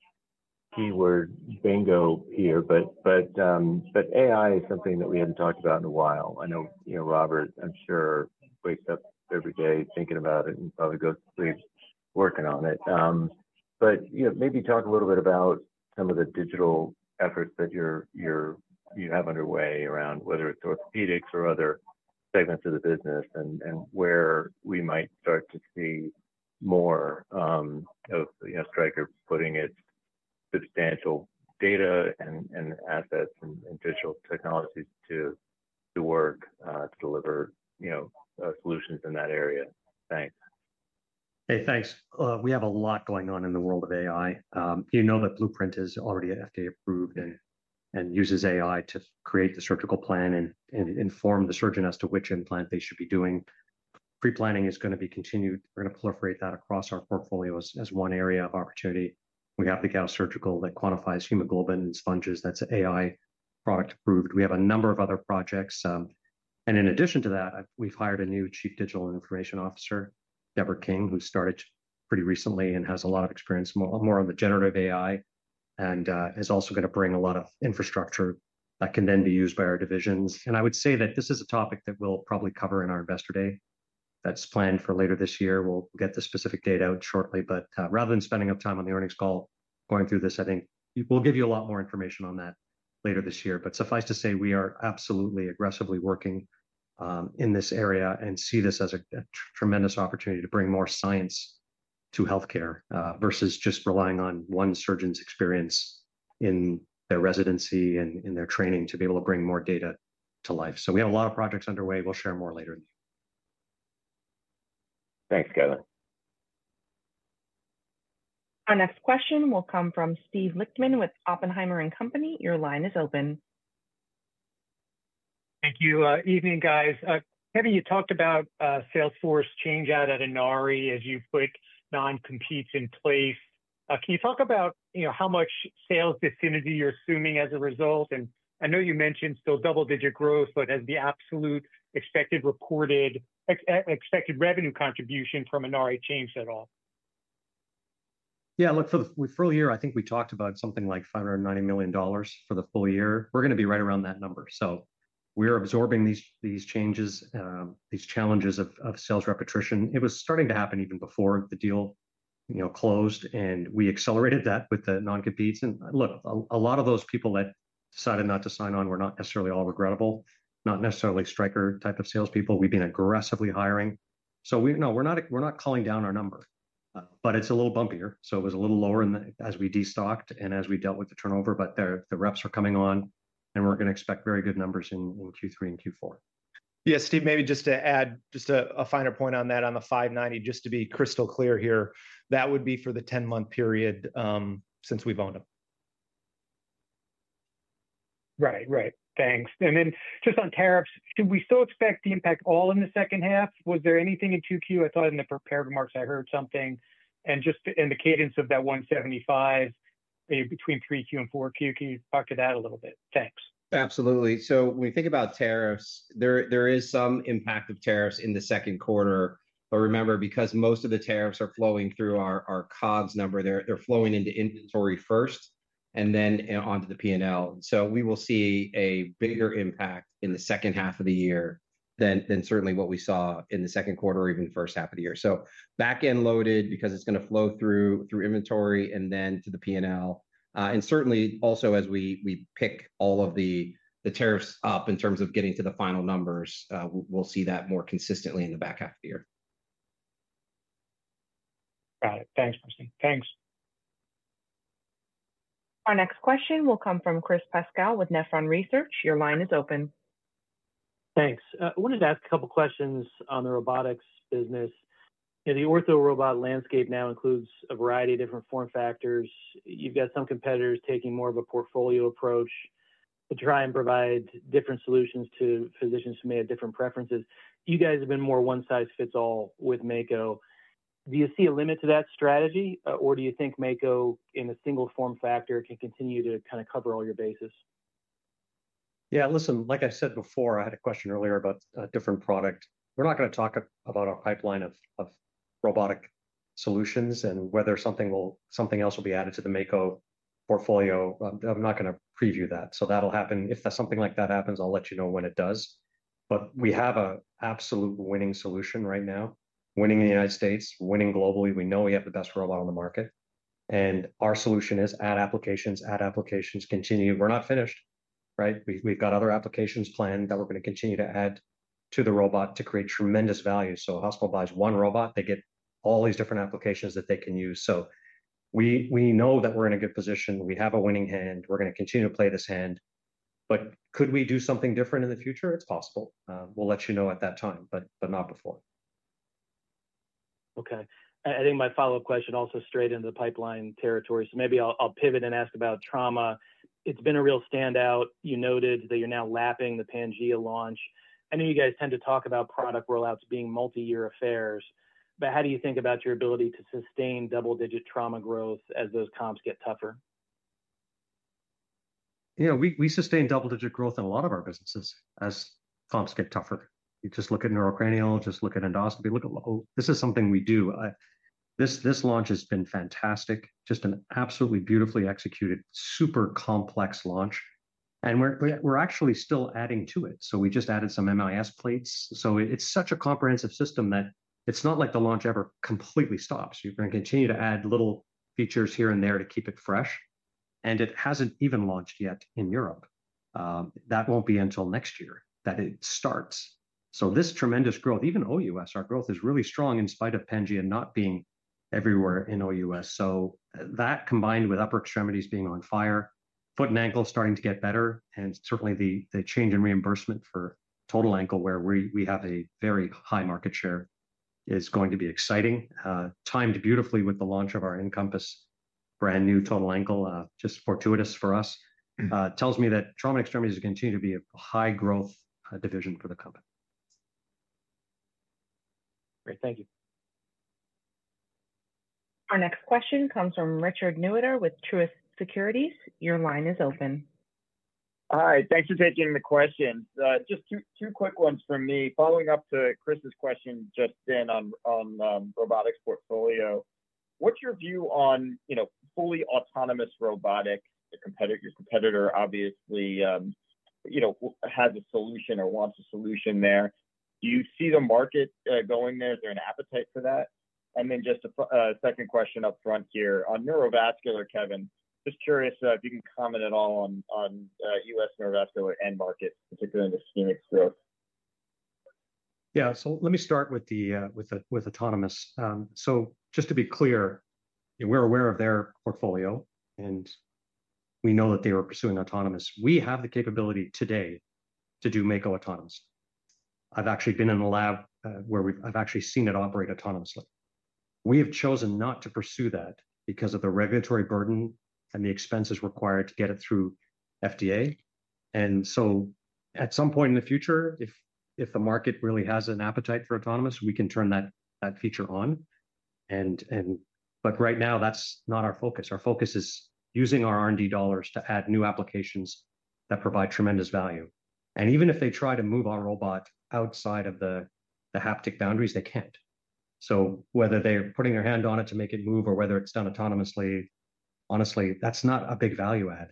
keyword bingo here, but AI is something that we haven't talked about in a while. I know, you know, Robert, I'm sure, wakes up every day thinking about it and probably goes to sleep working on it. Maybe talk a little bit about some of the digital efforts that you have underway around whether it's orthopedics or other segments of the business and where we might start to see more of Stryker putting its substantial data and assets and digital technologies to work to deliver solutions in that area. Thanks. Hey, thanks. We have a lot going on in the world of AI. You know that Blueprint is already FDA-cleared and uses AI to create the surgical plan and inform the surgeon as to which implant they should be doing. Pre-planning is going to be continued. We're going to proliferate that across our portfolio. As one area of opportunity, we have the Gauss Surgical that quantifies hemoglobin and sponges. That's an AI product approved. We have a number of other projects, and in addition to that, we've hired a new Chief Digital Information Officer, Deborah King, who started pretty recently and has a lot of experience more on the generative AI and is also going to bring a lot of infrastructure that can then be used by our divisions. I would say that this is a topic that we'll probably cover in our investor day that's planned for later this year. We'll get the specific date out shortly. Rather than spending up time on the earnings call going through this, I think we'll give you a lot more information on that later this year. Suffice to say we are absolutely aggressively working in this area and see this as a tremendous opportunity to bring more science to healthcare versus just relying on one surgeon's experience in their residency and in their training to be able to bring more data to life. We have a lot of projects underway. We'll share more later. Thanks, Kyla. Our next question will come from Steve Lichtman with Oppenheimer & Co. Your line is open. Thank you. Evening, guys. Kevin, you talked about salesforce change out at Inari. As you put non-competes in place, can you talk about, you know, how much sales disinfecting you're assuming as a result? I know you mentioned still double-digit growth, but has the absolute expected reported revenue contribution from Inari changed at all? Yeah, look for the full year I think we talked about something like $590 million for the full year. We're going to be right around that number. We're absorbing these changes, these challenges of sales repetition. It was starting to happen even before the deal closed and we accelerated that with the non competes. A lot of those people that decided not to sign on were not necessarily all regrettable, not necessarily Stryker type of salespeople. We've been aggressively hiring. We know we're not calling down our number, but it's a little bumpier. It was a little lower as we destocked and as we dealt with the turnover. The reps are coming on and we're going to expect very good numbers in Q3 and Q4. Yes, Steve, maybe just to add a finer point on that, on the $590 million, just to be crystal clear here, that would be for the 10 months. Period since we've owned them. Right, right. Thanks. On tariffs, should we still expect the impact all in the second half? Was there anything in 2Q? I thought in the prepared remarks I heard something. In the cadence of that $175 million between 3Q and 4Q, can you talk to that a little bit? Thanks. Absolutely. When we think about tariffs, there is some impact of tariffs in the second quarter. Remember, because most of the tariffs are flowing through our COGS number, they're flowing into inventory first and then onto the P&L. We will see a bigger impact in the second half of the year than what we saw in the second quarter or even first half of the year. It is back end loaded because it's going to flow through inventory and then to the P&L. Certainly, as we pick all of the tariffs up in terms of getting to the final numbers, we'll see that more consistently in the back half of the year. Got it. Thanks. Thanks. Our next question will come from Chris Pascal with Nephron Research. Your line is open. Thanks. I wanted to ask a couple questions on the robotics business. The ortho robot landscape now includes a variety of different form factors. You've got some competitors taking more of a portfolio approach to try and provide different solutions to physicians who may have different preferences. You guys have been more one size fits all with Mako. Do you see a limit to that strategy, or do you think Mako in a single form factor can continue to kind of cover all your bases? Yeah, like I said before, I had a question earlier about a different product. We're not going to talk about our pipeline of robotic solutions and whether something else will be added to the Mako portfolio. I'm not going to preview that. That'll happen if something like that happens. I'll let you know when it does. We have an absolute winning solution right now, winning in the United States, winning globally. We know we have the best robot on the market and our solution is add applications. Add applications, continue. We're not finished. We've got other applications planned that we're going to continue to add to the robot to create tremendous value. A hospital buys one robot, they get all these different applications that they can use. We know that we're in a good position, we have a winning hand. We're going to continue to play this hand. Could we do something different in the future? It's possible. We'll let you know at that time, but not before. Okay, I think my follow up question also straight into the pipeline territory, so maybe I'll pivot and ask about trauma. It's been a real standout. You noted that you're now lapping the Pangea Plating System launch. I know you guys tend to talk about product rollouts being multi year affairs, but how do you think about your ability to sustain double digit trauma growth as those comps get tougher? We sustain double digit growth in a lot of our businesses as comps get tougher. You just look at neurocranial, look at endoscopy, look at, oh, this is something we do. This launch has been fantastic. Just an absolutely beautifully executed, super complex launch. We're actually still adding to it. We just added some MIS plates. It's such a comprehensive system that it's not like the launch ever completely stops. You're going to continue to add little features here and there to keep it fresh. It hasn't even launched yet in Europe. That won't be until next year that it starts. This tremendous growth, even OUS, our growth is really strong in spite of Pangea not being everywhere in OUS. That combined with upper extremities being on fire, foot and ankle starting to get better, and certainly the change in reimbursement for Total Ankle, where we have a very high market share, is going to be exciting. Timed beautifully with the launch of our Encompass brand new Total Ankle. Just fortuitous for us, tells me that trauma extremities continue to be a high growth division for the company. Great, thank you. Our next question comes from Richard Neutter with Truist Securities. Your line is open. Hi, thanks for taking the questions. Just two quick ones from me. Following up to Chris's question just in on robotics portfolio, what's your view on, you know, fully autonomous robotic? Your competitor obviously, you know, has a solution or wants a solution there. Do you see the market going there? Is there an appetite for that? Just a second question up front here on Neurovascular. Kevin, just curious if you can comment at all on U.S. Neurovascular end markets, particularly in ischemic growth. Let me start with autonomous. Just to be clear, we're aware of their portfolio and we know that they were pursuing autonomous. We have the capability today to do Mako autonomous. I've actually been in a lab where I've seen it operate autonomously. We have chosen not to pursue that because of the regulatory burden and the expenses required to get it through FDA. At some point in the future, if the market really has an appetite for autonomous, we can turn that feature on. Right now that's not our focus. Our focus is using our R&D dollars to add new applications that provide tremendous value. Even if they try to move our robot outside of the haptic boundaries, they can't. Whether they're putting their hand on it to make it move or whether it's done autonomously, honestly, that's not a big value add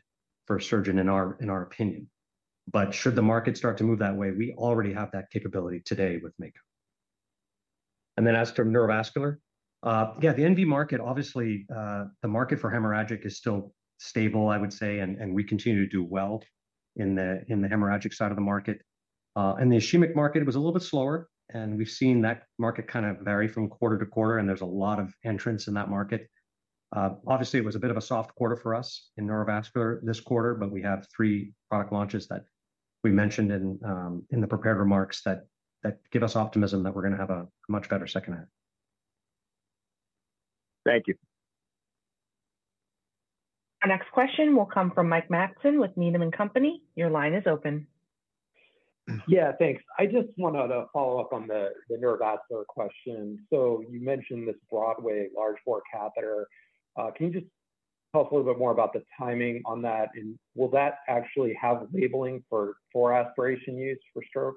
for a surgeon, in our opinion. Should the market start to move that way, we already have that capability today with Mako. As to Neurovascular, the NV market, obviously the market for hemorrhagic is still stable, I would say. We continue to do well in the hemorrhagic side of the market. The ischemic market was a little bit slower and we've seen that market kind of vary from quarter to quarter and there's a lot of entrants in that market. Obviously it was a bit of a soft quarter for us in Neurovascular this quarter. We have three product launches that we mentioned in the prepared remarks that give us optimism that we're going to have a much better second half. Thank you. Our next question will come from Mike Matson with Needham and Company. Your line is open. Yeah, thanks. I just wanted to follow up on the neurovascular question. You mentioned this Broadway large floor catheter. Can you just tell us a little bit more about the timing on that, and will that actually have labeling for aspiration use for stroke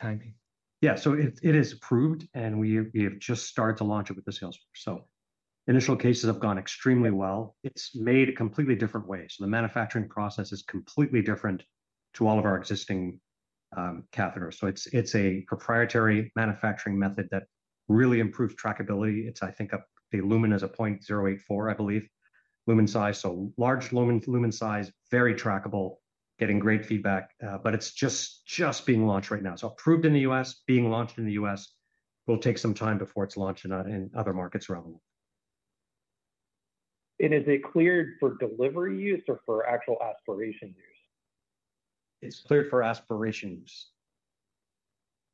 timing? Yeah, it is approved and we have just started to launch it with the Salesforce. Initial cases have gone extremely well. It's made a completely different way. The manufacturing process is completely different to all of our existing catheters. It's a proprietary manufacturing method that really improves trackability. I think the lumen is a 0.084, I believe. Lumen size, so large lumen size, very trackable. Getting great feedback. It is just being launched right now. Approved in the U.S., being launched in the U.S. It will take some time before it's launched in other markets around the world. Is it cleared for delivery use or for actual aspiration use? It's cleared for aspirations.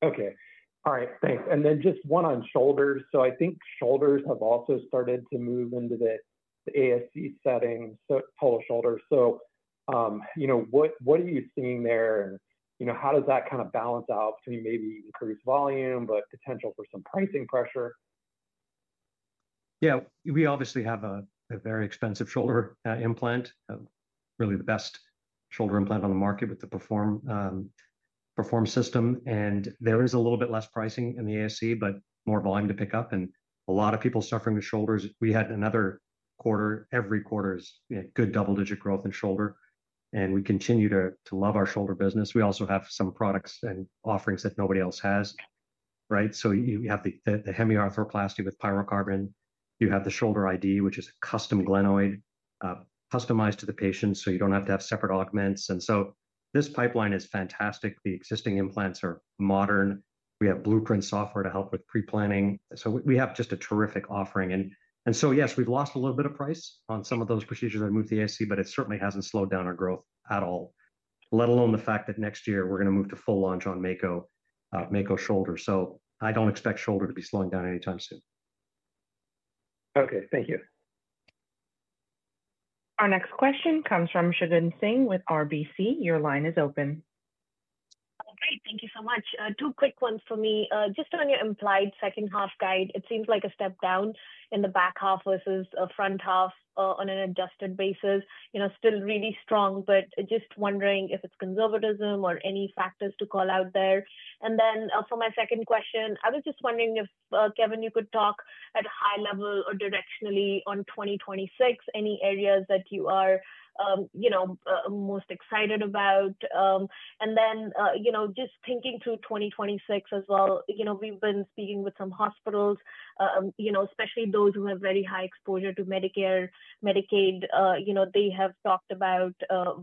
Okay. All right, thanks. I have one on shoulders. I think shoulders have also started to move into the ASC setting, total shoulders. What are you seeing there? How does that kind. Of balance out between maybe increased volume but potential for some pricing pressure? Yeah, we obviously have a very expensive shoulder implant, really the best shoulder implant on the market with the Perform system. There is a little bit less pricing in the ASC, but more volume to pick up and a lot of people suffering with shoulders. We had another quarter. Every quarter is good. Double-digit growth in shoulder, and we continue to love our shoulder business. We also have some products and offerings that nobody else has. Right. You have the hemiarthroplasty with pyrocarbon. You have the Shoulder ID, which is a custom glenoid customized to the patient so you don't have to have separate augments. This pipeline is fantastic. The existing implants are modern. We have Blueprint software to help with pre-planning, so we have just a terrific offering. Yes, we've lost a little bit of price on some of those procedures that moved to the ASC, but it certainly hasn't slowed down our growth at all, let alone the fact that next year we're going to move to full launch on Mako Shoulder. I don't expect shoulder to be slowing down anytime soon. Okay, thank you. Our next question comes from Shagan Singh with RBC. Your line is open. Great. Thank you so much. Two quick ones for me. Just on your implied second half guide, it seems like a step down in the back half versus front half on an adjusted basis. It's still really strong, but just wondering if it's conservatism or any factors to call out there. For my second question, I was just wondering if Kevin, you could talk at a high level or directionally on 2026, any areas that you are most excited about. Just thinking through 2026 as well. We've been speaking with some hospitals, especially those who have very high exposure to Medicare, Medicaid. They have talked about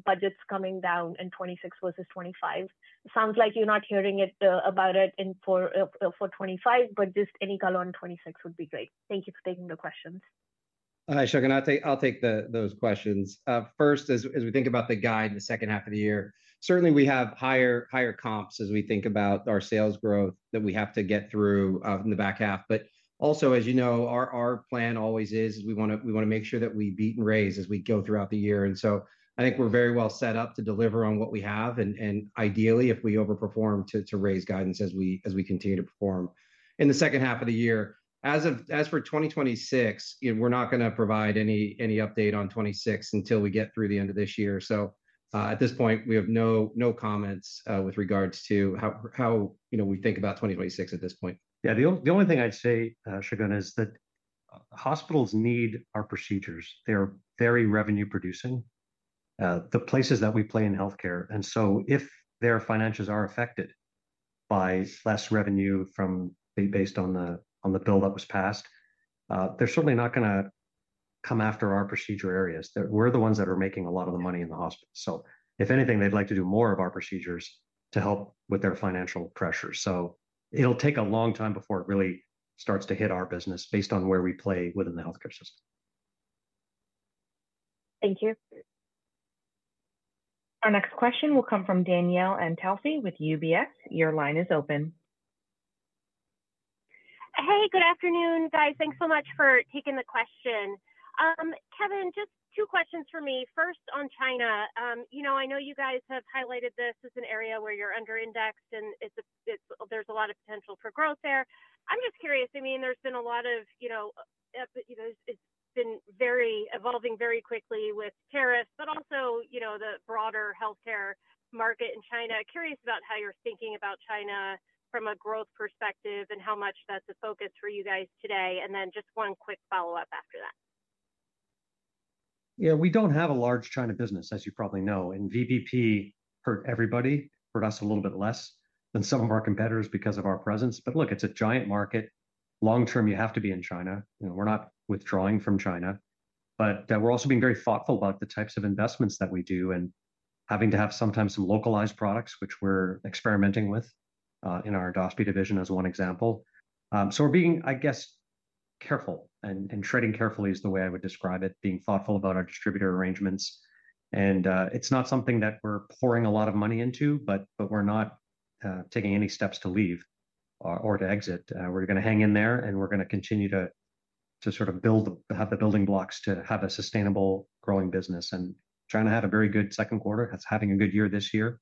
budgets coming down in 2026 versus 2025. It sounds like you're not hearing about it for 2025, but just any color on 2026 would be great. Thank you for taking the questions. I'll take those questions first. As we think about the guide in the second half of the year, certainly we have higher comps as we think about our sales growth that we have to get through in the back half. Also, as you know, our plan always is we want to make sure that we beat and raise as we go throughout the year. I think we're very well set up to deliver on what we have, and ideally if we overperform, to raise guidance as we continue to perform in the second half of the year. As for 2026, we're not going to provide any update on 2026 until we get through the end of this year. At this point we have no comments with regards to how we think about 2026 at this point. Yeah, the only thing I'd say, Shagun, is that hospitals need our procedures. They're very revenue producing, the places that we play in health care. If their finances are affected by less revenue from the bill that was passed, they're certainly not going to come after our procedure areas. We're the ones that are making a lot of the money in the hospital. If anything, they'd like to do more of our procedures to help with their financial pressure. It will take a long time before it really starts to hit our business based on where we play within the healthcare system. Thank you. Our next question will come from Danielle Antalffy with UBS. Your line is open. Hey, good afternoon guys. Thanks so much for taking the question. Kevin, just two questions for me. First on China, I know you guys have highlighted this as an area where you're under indexed. It's, there's a lot of potential for growth there. I'm just curious. I mean, there's been a lot of, it's been evolving very quickly with tariffs, but also the broader healthcare market in China. Curious about how you're thinking about China from a growth perspective and how much that's a focus for you guys today. And then just one quick follow up after that. Yeah, we don't have a large China business, as you probably know. VBP hurt everybody, hurt us a little bit less than some of our competitors because of our presence. It's a giant market long term. You have to be in China. We're not withdrawing from China, but we're also being very thoughtful about the types of investments that we do and having to have sometimes some localized products, which we're experimenting with in our Dossby division as one example. We're being, I guess, careful and treading carefully is the way I would describe it, being thoughtful about our distributor arrangements. It's not something that we're pouring a lot of money into, but we're not taking any steps to leave or to exit. We're going to hang in there and we're going to continue to sort of build, have the building blocks to have a sustainable, growing business and trying to have a very good second quarter that's having a good year this year.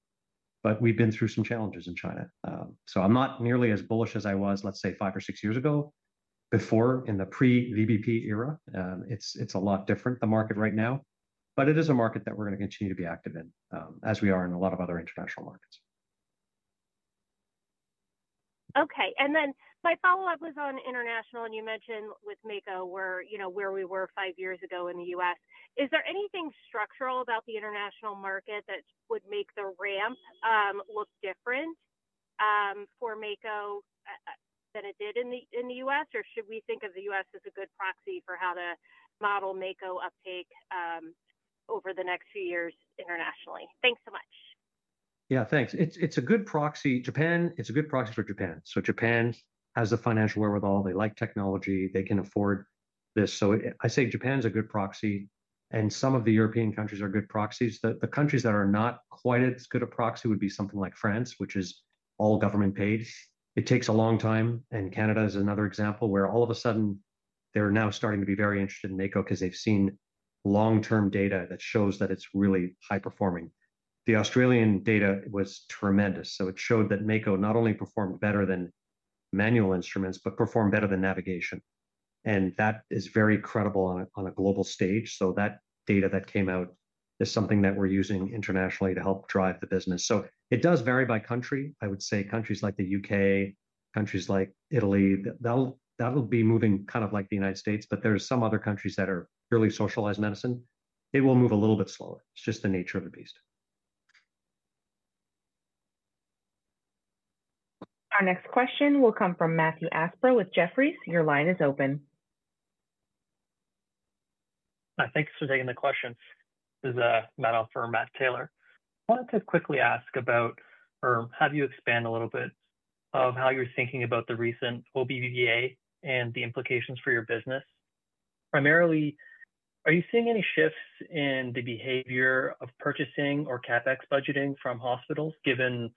We've been through some challenges in China. I'm not nearly as bullish as I was, let's say, five or six years ago, in the pre-VBP era. It's a lot different, the market right now, but it is a market that we're going to continue to be active in as we are in a lot of other international markets. Okay. My follow up was on international and you mentioned with Mako, where, you know, where we were five years ago in the U.S. Is there anything structural about the international market that would make the ramp look different for Mako than it did in the U.S. or should we think of the U.S. as a good proxy for how to model Mako uptake over the next few years internationally? Thanks so much. Yeah, thanks. It's a good proxy. Japan is a good proxy for Japan. Japan has the financial wherewithal. They like technology. They can afford this. I say Japan's a good proxy and some of the European countries are good proxies. The countries that are not quite as good a proxy would be something like France, which is all government paid. It takes a long time. Canada is another example where all of a sudden they're now starting to be very interested in Mako because they've seen long term data that shows that it's really high performing. The Australian data was tremendous. It showed that Mako not only performed better than manual instruments, but performed better than navigation. That is very credible on a global stage. That data that came out is something that we're using internationally to help drive the business. It does vary by country. I would say countries like the UK, countries like Italy, that'll be moving kind of like the United States. There are some other countries that are purely socialized medicine. It will move a little bit slower. It's just the nature of the beast. Our next question will come from Matthew Zhao with Jefferies. Your line is open. Thanks for taking the question. This is Matt Taylor. I wanted to quickly ask about or have you expand a little bit on how you're thinking about the recent OBBVA and the implications for your business. Primarily, are you seeing any shifts in the behavior of purchasing or CapEx budgeting from hospitals given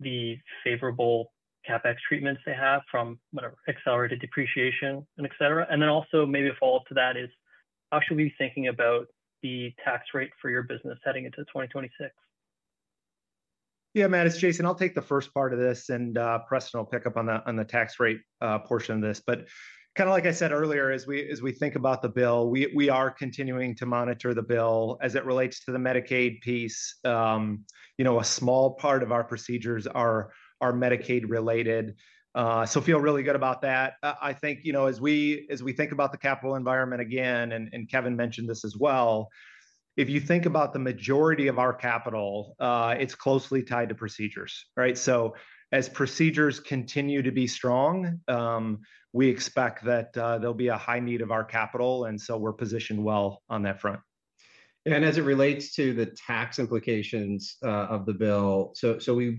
the favorable CapEx treatments they have from whatever accelerated depreciation and et cetera? Also, maybe a follow up to that is how should we be thinking about the tax rate for your business heading into 2026? Yeah, Matt, it's Jason. I'll take the first part of this and Preston will pick up on the tax rate portion of this. As I said earlier, as we think about the bill, we are continuing to monitor the bill as it relates to the Medicaid piece. You know, a small part of our procedures are Medicaid related. So feel really good about that. I think, as we think about the capital environment again, and Kevin mentioned this, if you think about the majority of our capital, it's closely tied to procedures, right? As procedures continue to be strong, we expect that there'll be a high need of our capital. We are positioned well on that. As it relates to the tax implications of the bill,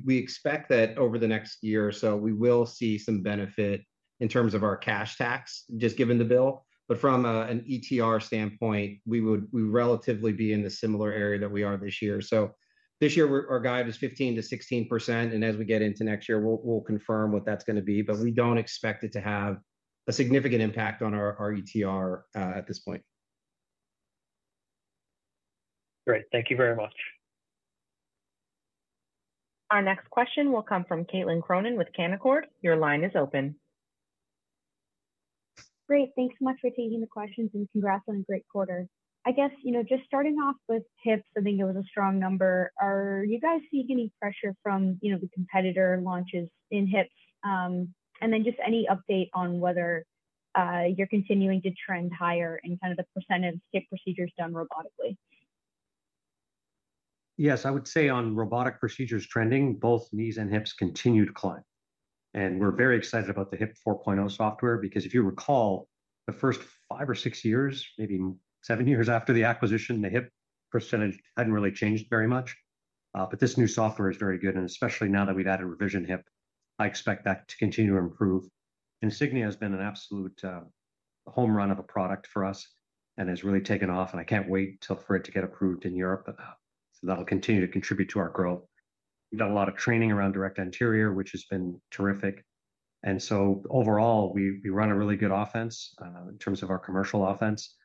we expect that over the next year or so we will see some benefit in terms of our cash tax just given the bill. From an ETR standpoint, we would relatively be in the similar area that we are this year. This year our guide is 15 to 16%. As we get into next year, we'll confirm what that's going to be, but we don't expect it to have a significant impact on our ETR at this point. Great. Thank you very much. Great. Thanks so much for taking the questions and congrats on a great quarter. I guess, you know, just starting off with hips, I think it was a strong number. Are you guys seeing any pressure from, you know, the competitor launches in hips? Any update on whether you're continuing to trend higher and kind of the % of hip procedures done robotically? Yes, I would say on robotic procedures trending, both knees and hips continue to climb. We're very excited about the HIP 4.0 software because if you recall the first five or six years, maybe seven years after the acquisition, the hip % hadn't really changed very much. This new software is very good, and especially now that we've added revision hip, I expect that to continue to improve. Insignia has been an absolute home run of a product for us and has really taken off, and I can't wait for it to get approved in Europe. That'll continue to contribute to our growth. We've done a lot of training around direct anterior, which has been terrific. Overall, we run a really good offense in terms of our commercial offense.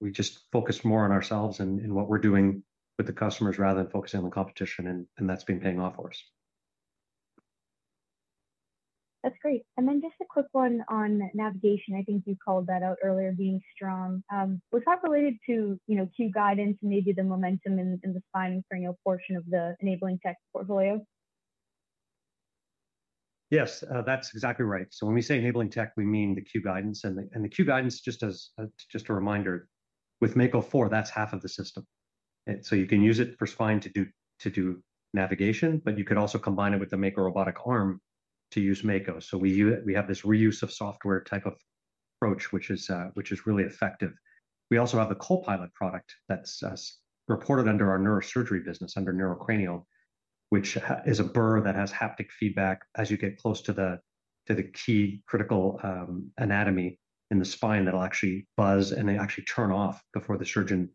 We just focused more on ourselves and what we're doing with the customers rather than focusing on the competition, and that's been paying off for us. That's great. Just a quick one on navigation. I think you called that out earlier as being strong. Was that related to Q guidance and maybe the momentum in the spine and perennial portion of the enabling tech portfolio? Yes, that's exactly right. When we say enabling tech, we mean the Q guidance, and the Q guidance, just as a reminder with Mako 4, that's half of the system. You can use it for spine to do navigation, but you could also combine it with the Mako robotic arm to use Mako. We have this reuse of software type of approach, which is really effective. We also have a Copilot product that's reported under our neurosurgery business under neurocranial, which is a bur that has haptic feedback as you get close to the key critical anatomy in the spine. That'll actually buzz, and they actually turn off before the surgeon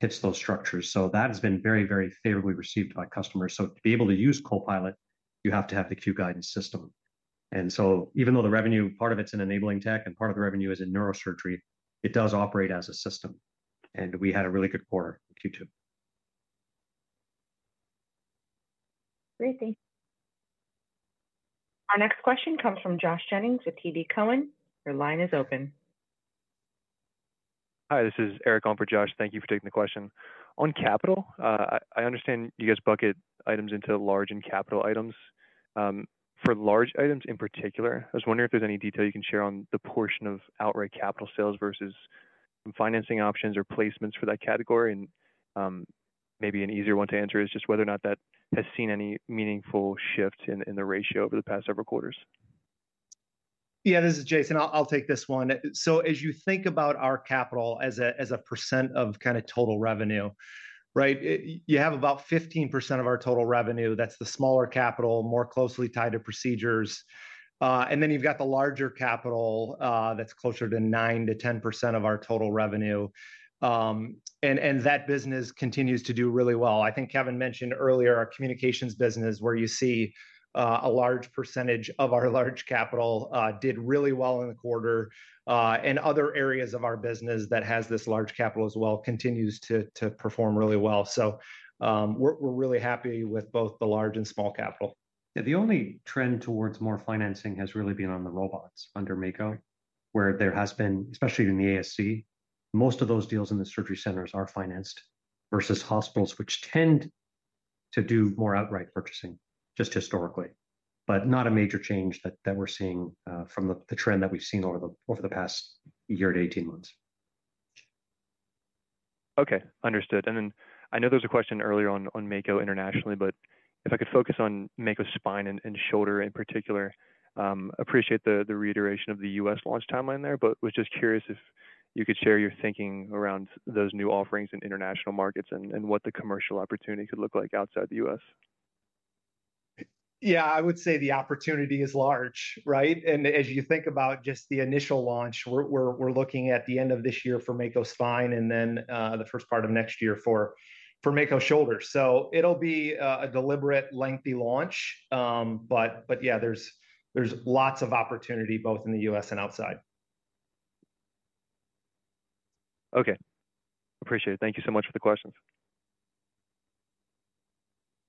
hits those structures. That has been very, very favorably received by customers. To be able to use Copilot, you have to have the Q guidance system. Even though the revenue, part of it's an enabling tech and part of the revenue is in neurosurgery, it does operate as a system, and we had a really good quarter. Q2. Great, thanks. Our next question comes from Josh Jennings with TD Cowen. Your line is open. Hi, this is Eric on for Josh. Thank you for taking the question on capital. I understand you guys bucket items into large and capital items. For large items in particular, I was wondering if there's any detail you can share on the portion of outright capital sales versus financing options or placements for that category. Maybe an easier one to answer is just whether or not that has seen any meaningful shift in the ratio over the past several quarters. Yeah, this is Jason. I'll take this one. As you think about our capital as a % of kind of total revenue, right, you have about 15% of our total revenue. That's the smaller capital more closely tied to procedures. Then you've got the larger capital that's closer to 9 to 10% of our total revenue, and that business continues to do really well. I think Kevin mentioned earlier our communications business, where you see a large % of our large capital did really well in the quarter, and other areas of our business that have this large capital as well continue to perform really well. We're really happy with both the large and small capital. The only trend towards more financing has really been on the robots under Mako, where there has been especially in the ASC. Most of those deals in the surgery centers are financed versus hospitals, which tend to do more outright purchasing just historically, but not a major change that we're seeing from the trend that we've seen over the past year to 18 months. Okay, understood. I know there was a question earlier on Mako internationally. If I could focus on Mako Spine and Shoulder in particular, I appreciate the reiteration of the U.S. launch timeline there, but was just curious if you could share your thinking around those new offerings in international markets and what the commercial opportunity could look like outside the U.S. I would say the opportunity is large. As you think about just the initial launch, we're looking at the end of this year for Mako Spine and then the first part of next year for Mako Shoulder. It will be a deliberate, lengthy launch. There's lots of opportunity both in the U.S. and outside. Okay, appreciate it. Thank you so much for the questions.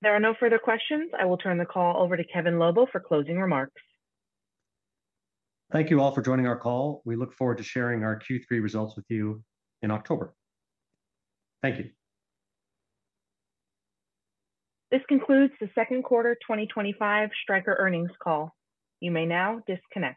There are no further questions. I will turn the call over to Kevin Lobo for closing remarks. Thank you all for joining our call. We look forward to sharing our Q3 results with you in October. Thank you. This concludes the second quarter 2025 Stryker earnings call. You may now disconnect.